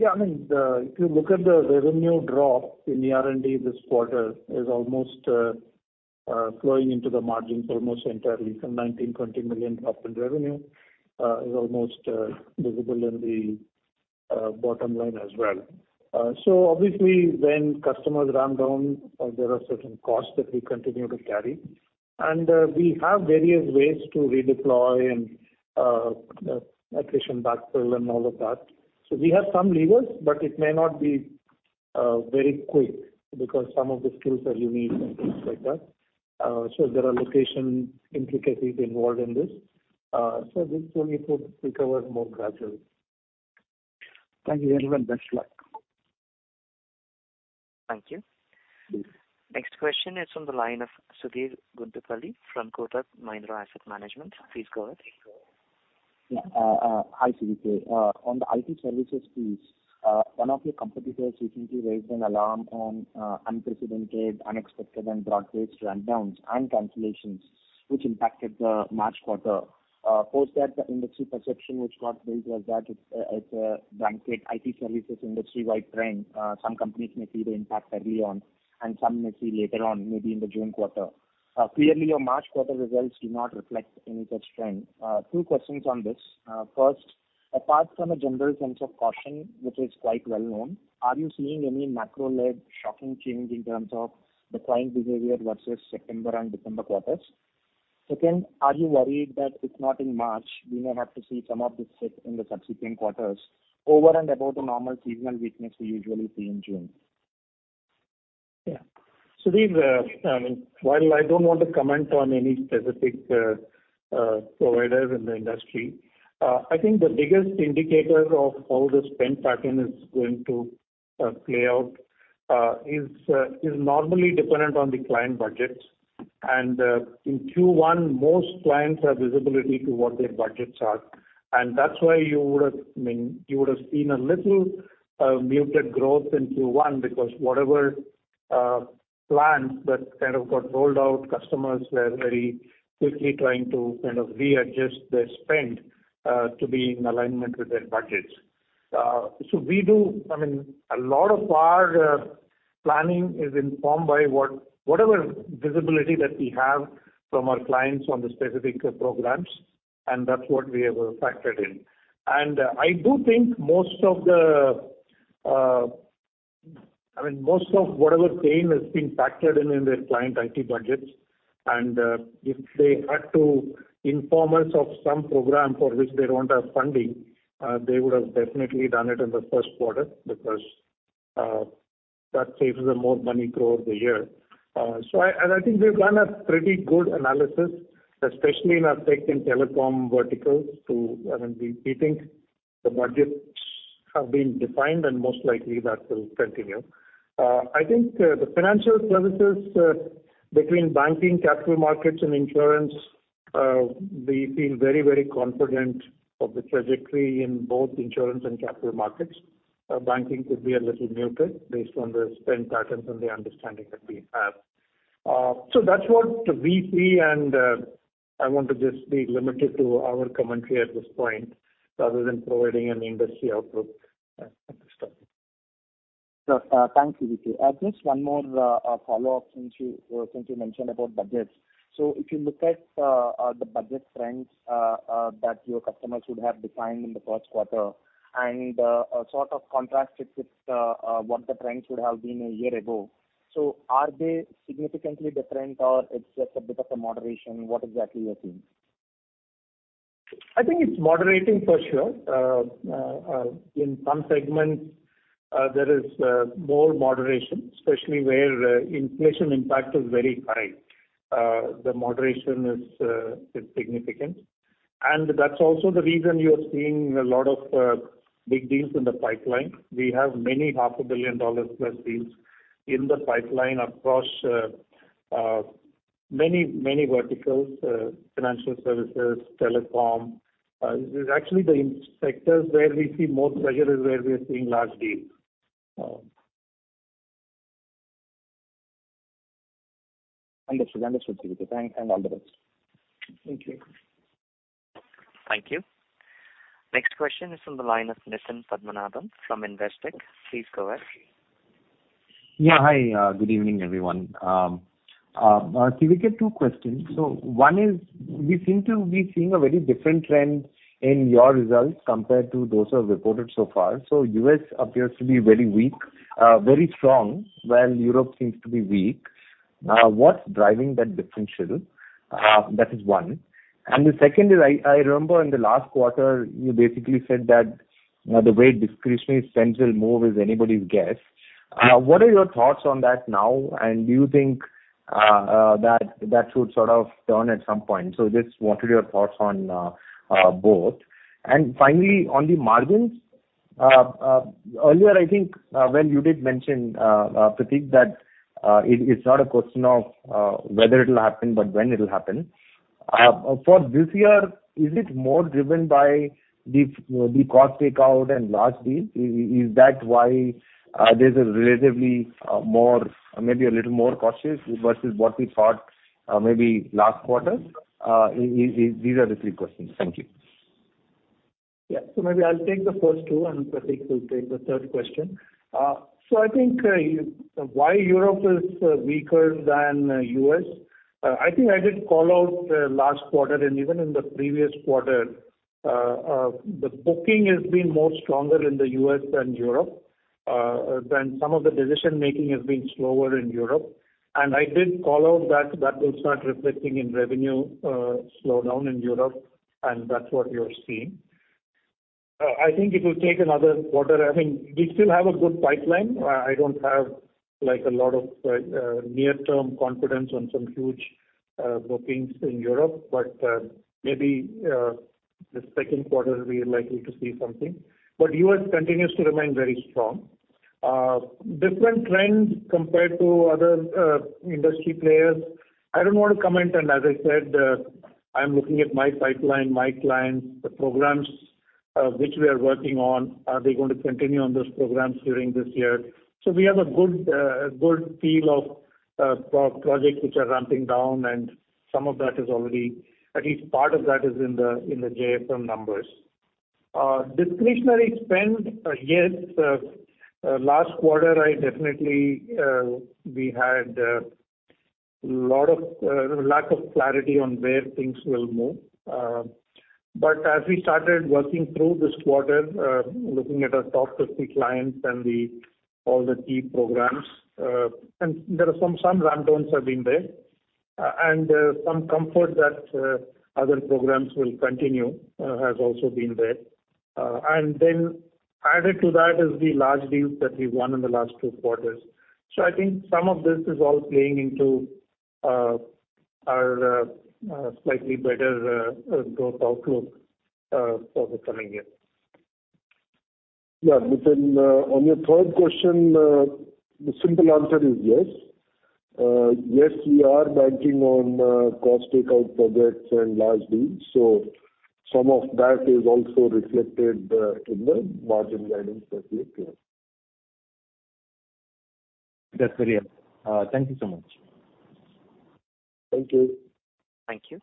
Yeah, I mean, if you look at the revenue drop in R&D this quarter is almost flowing into the margins almost entirely. Some $19 million-$20 million drop in revenue is almost visible in the bottom line as well. Obviously when customers ramp down, there are certain costs that we continue to carry. We have various ways to redeploy and attrition backfill and all of that. We have some levers, but it may not be very quick because some of the skills are unique and things like that. There are location intricacies involved in this. This will need to recover more gradually. Thank you very much. Best of luck. Thank you. Next question is on the line of Sudheer Guntupalli from Kotak Mahindra Asset Management. Please go ahead. Hi, CVK. On the IT services piece, one of your competitors recently raised an alarm on unprecedented, unexpected and broad-based rundowns and cancellations, which impacted the March quarter. Post that, the industry perception which got built was that it's a blanket IT services industry-wide trend. Some companies may see the impact early on, and some may see later on, maybe in the June quarter. Clearly, your March quarter results do not reflect any such trend. Two questions on this. First, apart from a general sense of caution, which is quite well-known, are you seeing any macro-led shocking change in terms of the client behavior versus September and December quarters? Second, are you worried that if not in March, we may have to see some of this shift in the subsequent quarters over and above the normal seasonal weakness we usually see in June? Yeah. Sudheer, while I don't want to comment on any specific providers in the industry, I think the biggest indicator of how the spend pattern is going to play out is normally dependent on the client budgets. In Q1, most clients have visibility to what their budgets are, and that's why I mean, you would have seen a little muted growth in Q1, because whatever plans that kind of got rolled out, customers were very quickly trying to kind of readjust their spend to be in alignment with their budgets. I mean, a lot of our planning is informed by whatever visibility that we have from our clients on the specific programs, and that's what we have factored in. I do think most of the. I mean, most of whatever gain has been factored in in their client IT budgets. If they had to inform us of some program for which they don't have funding, they would have definitely done it in the first quarter because that saves them more money throughout the year. I think we've done a pretty good analysis, especially in our tech and telecom verticals. I mean, we think the budgets have been defined, most likely that will continue. I think the financial services, between banking, capital markets and insurance, we feel very, very confident of the trajectory in both insurance and capital markets. Banking could be a little muted based on the spend patterns and the understanding that we have. That's what we see, and I want to just be limited to our commentary at this point rather than providing an industry outlook at this time. Sure. Thanks, CVK. Just one more follow-up since you since you mentioned about budgets. If you look at the budget trends that your customers would have defined in the first quarter and sort of contrast it with what the trends would have been a year ago, are they significantly different or it's just a bit of a moderation? What exactly you are seeing? I think it's moderating for sure. In some segments, there is more moderation, especially where inflation impact is very high. The moderation is significant. That's also the reason you are seeing a lot of big deals in the pipeline. We have many half a billion dollars plus deals in the pipeline across many, many verticals, financial services, telecom. Actually the sectors where we see more pressure is where we are seeing large deals. Understood. Understood. All the best. Thank you. Thank you. Next question is from the line of Nitin Padmanabhan from Investec. Please go ahead. Yeah, hi. Good evening, everyone. CVK, two questions. One is, we seem to be seeing a very different trend in your results compared to those who have reported so far. U.S. appears to be very strong while Europe seems to be weak. What's driving that differential? That is one. The second is, I remember in the last quarter you basically said that, you know, the way discretionary spends will move is anybody's guess. What are your thoughts on that now, and do you think that that should sort of turn at some point? Just wanted your thoughts on both. Finally, on the margins, earlier I think, when you did mention, Prateek, that it is not a question of whether it'll happen but when it'll happen. For this year, is it more driven by the cost takeout and large deals? Is that why there's a relatively more, maybe a little more cautious versus what we thought maybe last quarter? These are the three questions. Thank you. Maybe I'll take the first two, and Prateek will take the third question. I think why Europe is weaker than U.S., I think I did call out last quarter and even in the previous quarter, the booking has been more stronger in the U.S. than Europe, and some of the decision-making has been slower in Europe. I did call out that that will start reflecting in revenue slowdown in Europe, and that's what you're seeing. I think it will take another quarter. I think we still have a good pipeline. I don't have, like, a lot of near-term confidence on some huge bookings in Europe, maybe the second quarter we are likely to see something. U.S. continues to remain very strong. Different trends compared to other industry players. I don't want to comment, as I said, I'm looking at my pipeline, my clients, the programs, which we are working on. Are they going to continue on those programs during this year? We have a good good feel of pro-projects which are ramping down, and some of that is already at least part of that is in the JFM numbers. Discretionary spend, yes. Last quarter, I definitely, we had a lot of lack of clarity on where things will move. As we started working through this quarter, looking at our top 50 clients and all the key programs, there are some ramp downs have been there. Some comfort that other programs will continue has also been there. Added to that is the large deals that we won in the last two quarters. I think some of this is all playing into our slightly better growth outlook for the coming year. Yeah, Nitin, on your third question, the simple answer is yes. Yes, we are banking on cost takeout projects and large deals, some of that is also reflected in the margin guidance that we have given. That's very helpful. Thank you so much. Thank you. Thank you.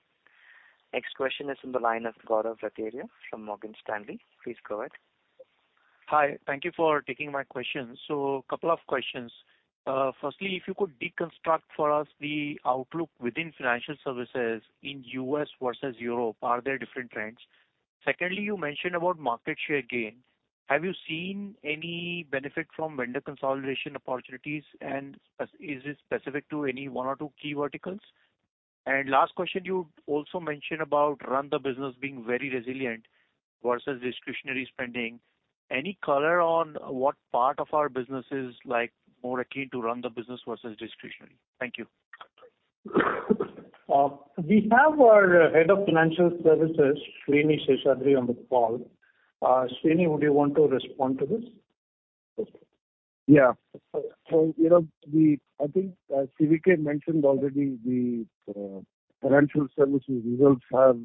Next question is on the line of Gaurav Rateria from Morgan Stanley. Please go ahead. Hi. Thank you for taking my question. Couple of questions. Firstly, if you could deconstruct for us the outlook within financial services in U.S. versus Europe, are there different trends? Secondly, you mentioned about market share gain. Have you seen any benefit from vendor consolidation opportunities, and is it specific to any one or two key verticals? Last question, you also mentioned about run the business being very resilient versus discretionary spending. Any color on what part of our business is, like, more akin to run the business versus discretionary? Thank you. We have our Head of Financial Services, Srinivasan Seshadri, on the call. Srini, would you want to respond to this? You know, I think, as CVK mentioned already, the financial services results have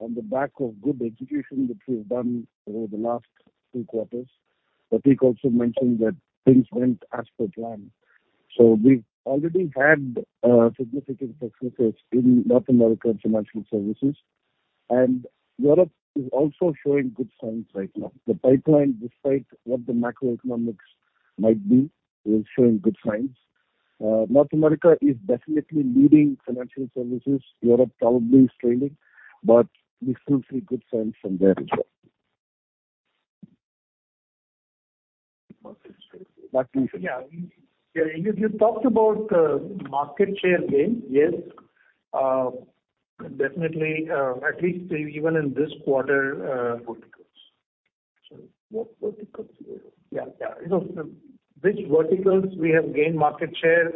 on the back of good execution that we've done over the last two quarters. He also mentioned that things went as per plan. We've already had significant successes in North America in financial services, and Europe is also showing good signs right now. The pipeline, despite what the macroeconomics might be, is showing good signs. North America is definitely leading financial services. Europe probably is trailing, but we still see good signs from there as well. Yeah. You talked about market share gain. Yes, definitely, at least even in this quarter. Verticals. Sorry. What verticals? Yeah, yeah. You know, which verticals we have gained market share,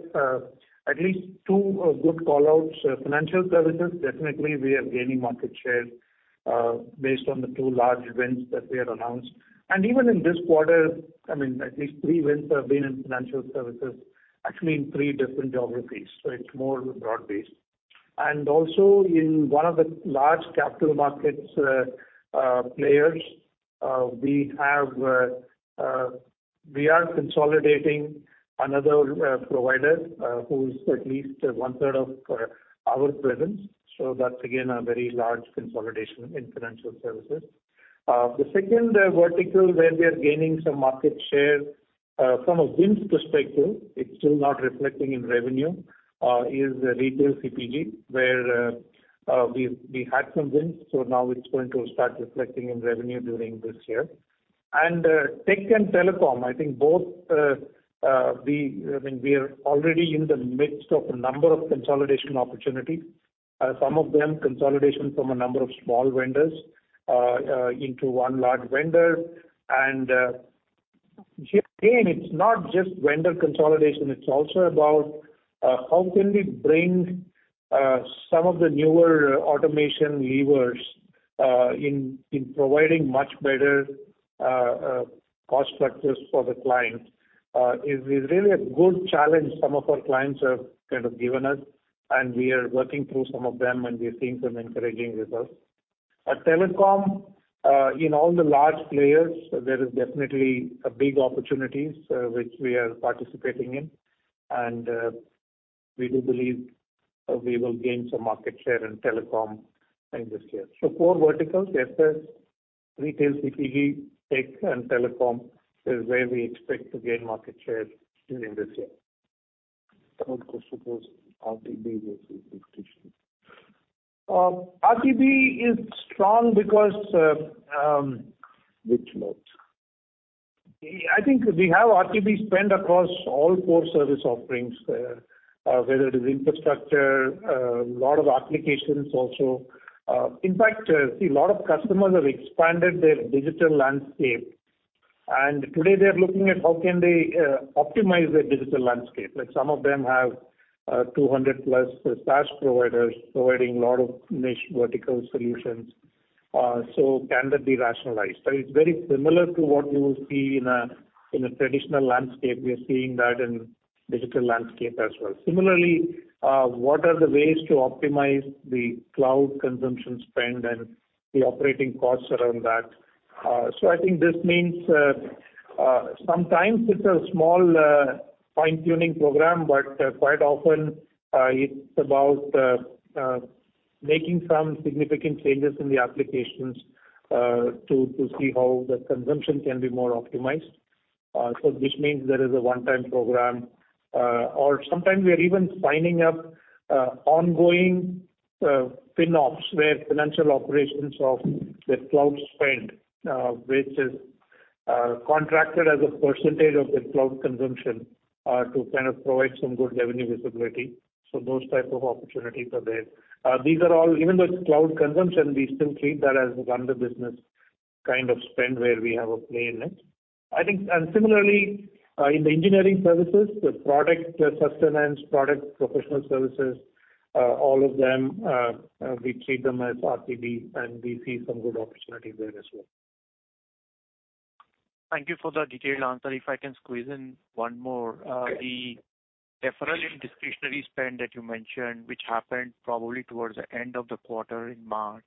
at least two good call-outs. Financial services, definitely we are gaining market share, based on the two large wins that we have announced. Even in this quarter, I mean, at least three wins have been in financial services, actually in three different geographies, so it's more broad-based. Also in one of the large capital markets players, we have, we are consolidating another provider, who's at least 1/3 of our presence. That's again, a very large consolidation in financial services. The second vertical where we are gaining some market share from a wins perspective, it's still not reflecting in revenue, is retail CPG, where we had some wins, so now it's going to start reflecting in revenue during this year. Tech and telecom, I think both, I mean, we are already in the midst of a number of consolidation opportunities. Some of them consolidation from a number of small vendors into one large vendor. Here again, it's not just vendor consolidation, it's also about how can we bring some of the newer automation levers in providing much better cost structures for the client. It is really a good challenge some of our clients have kind of given us, and we are working through some of them and we are seeing some encouraging results. At telecom, in all the large players, there is definitely big opportunities which we are participating in. We do believe we will gain some market share in telecom in this year. Four verticals, FS, retail CPG, tech and telecom is where we expect to gain market share during this year. Third question was RTB versus discretionary. RTB is strong because. Which modes? I think we have RTB spend across all four service offerings, uh, uh, whether it is infrastructure, uh, lot of applications also. Uh, in fact, uh, see, a lot of customers have expanded their digital landscape. And today they're looking at how can they, uh, optimize their digital landscape. Like, some of them have, uh, two hundred plus SaaS providers providing a lot of niche vertical solutions. Uh, so can that be rationalized? So it's very similar to what you will see in a, in a traditional landscape. We are seeing that in digital landscape as well. Similarly, uh, what are the ways to optimize the cloud consumption spend and the operating costs around that? I think this means sometimes it's a small fine-tuning program, quite often it's about making some significant changes in the applications to see how the consumption can be more optimized. This means there is a one-time program. Sometimes we are even signing up ongoing FinOps, where financial operations of the cloud spend, which is contracted as a % of the cloud consumption, to kind of provide some good revenue visibility. Those type of opportunities are there. These are all, even though it's cloud consumption, we still treat that as run the business kind of spend where we have a play in it. Similarly, in the engineering services, the product sustenance, product professional services, all of them, we treat them as RTB, and we see some good opportunity there as well. Thank you for the detailed answer. If I can squeeze in one more. Okay. The deferral in discretionary spend that you mentioned, which happened probably towards the end of the quarter in March,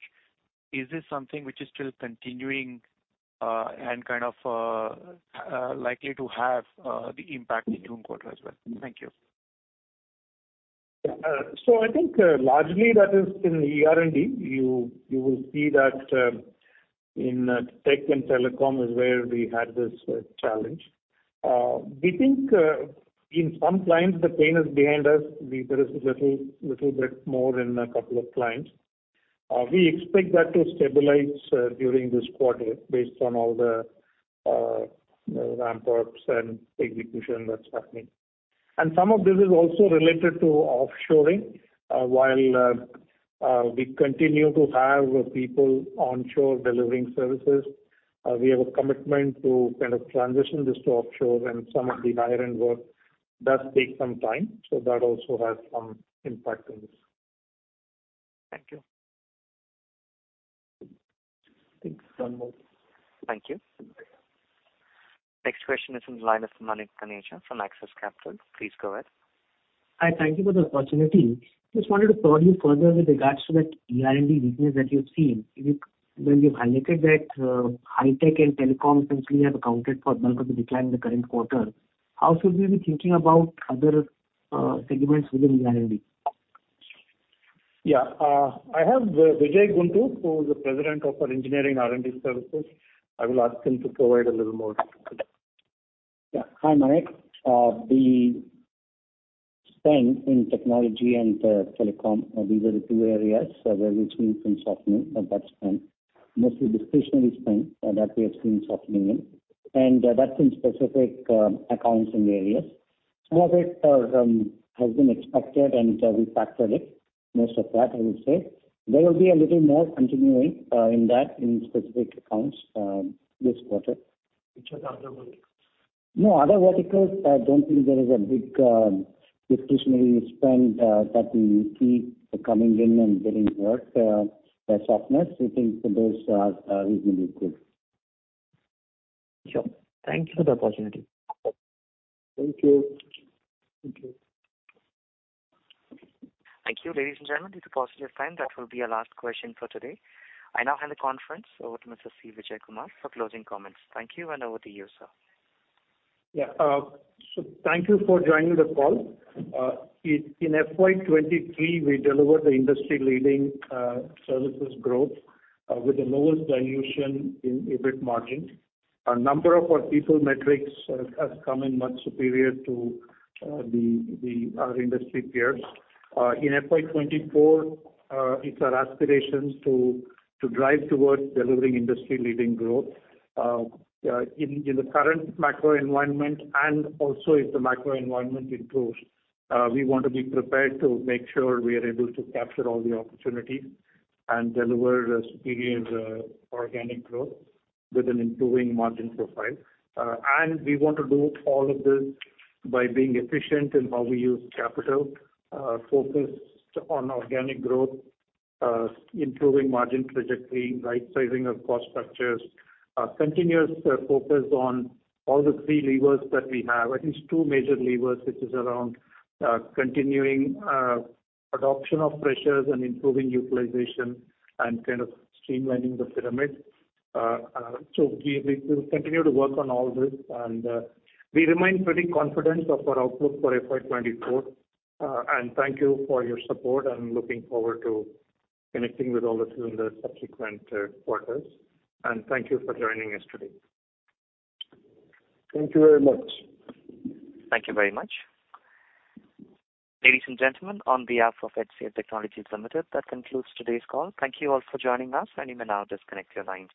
is this something which is still continuing, and kind of likely to have the impact in June quarter as well? Thank you. Yeah. I think largely that is in ER&D. You will see that, in tech and telecom is where we had this challenge. We think, in some clients the pain is behind us. There is a little bit more in a couple of clients. We expect that to stabilize, during this quarter based on all the, you know, ramp-ups and execution that's happening. Some of this is also related to offshoring. While we continue to have people onshore delivering services, we have a commitment to kind of transition this to offshore, and some of the higher-end work does take some time, so that also has some impact on this. Thank you. I think one more. Thank you. Next question is from the line of Manik Taneja from Axis Capital. Please go ahead. Hi. Thank you for the opportunity. Just wanted to probe you further with regards to that ER&D weakness that you've seen. When you've highlighted that, high tech and telecom essentially have accounted for bulk of the decline in the current quarter, how should we be thinking about other segments within ER&D? I have Vijay Guntur, who is the president of our engineering R&D services. I will ask him to provide a little more detail. Hi, Manik. The spend in technology and telecom, these are the two areas where we've seen some softening of that spend, mostly discretionary spend that we have seen softening in. That's in specific accounts and areas. Some of it has been expected, and we factored it, most of that, I would say. There will be a little more continuing in that in specific accounts this quarter. Which are the other verticals? No other verticals, I don't think there is a big discretionary spend that we see coming in and getting worse softness. We think those are reasonably good. Sure. Thank you for the opportunity. Thank you. Thank you. Ladies and gentlemen, due to paucity of time, that will be our last question for today. I now hand the conference over to Mr. C. Vijayakumar for closing comments. Thank you, and over to you, sir. Thank you for joining the call. In FY 2023, we delivered the industry-leading services growth with the lowest dilution in EBIT margin. A number of our people metrics has come in much superior to our industry peers. In FY 2024, it's our aspiration to drive towards delivering industry-leading growth. In the current macro environment and also if the macro environment improves, we want to be prepared to make sure we are able to capture all the opportunities and deliver a superior organic growth with an improving margin profile. And we want to do all of this by being efficient in how we use capital, focused on organic growth, improving margin trajectory, right sizing of cost structures, continuous focus on all the three levers that we have. At least two major levers, which is around, continuing, adoption of pressures and improving utilization and kind of streamlining the pyramid. We, we will continue to work on all this. We remain pretty confident of our outlook for FY 2024. Thank you for your support. I'm looking forward to connecting with all of you in the subsequent, quarters. Thank you for joining us today. Thank you very much. Thank you very much. Ladies and gentlemen, on behalf of HCL Technologies Limited, that concludes today's call. Thank you all for joining us. You may now disconnect your lines.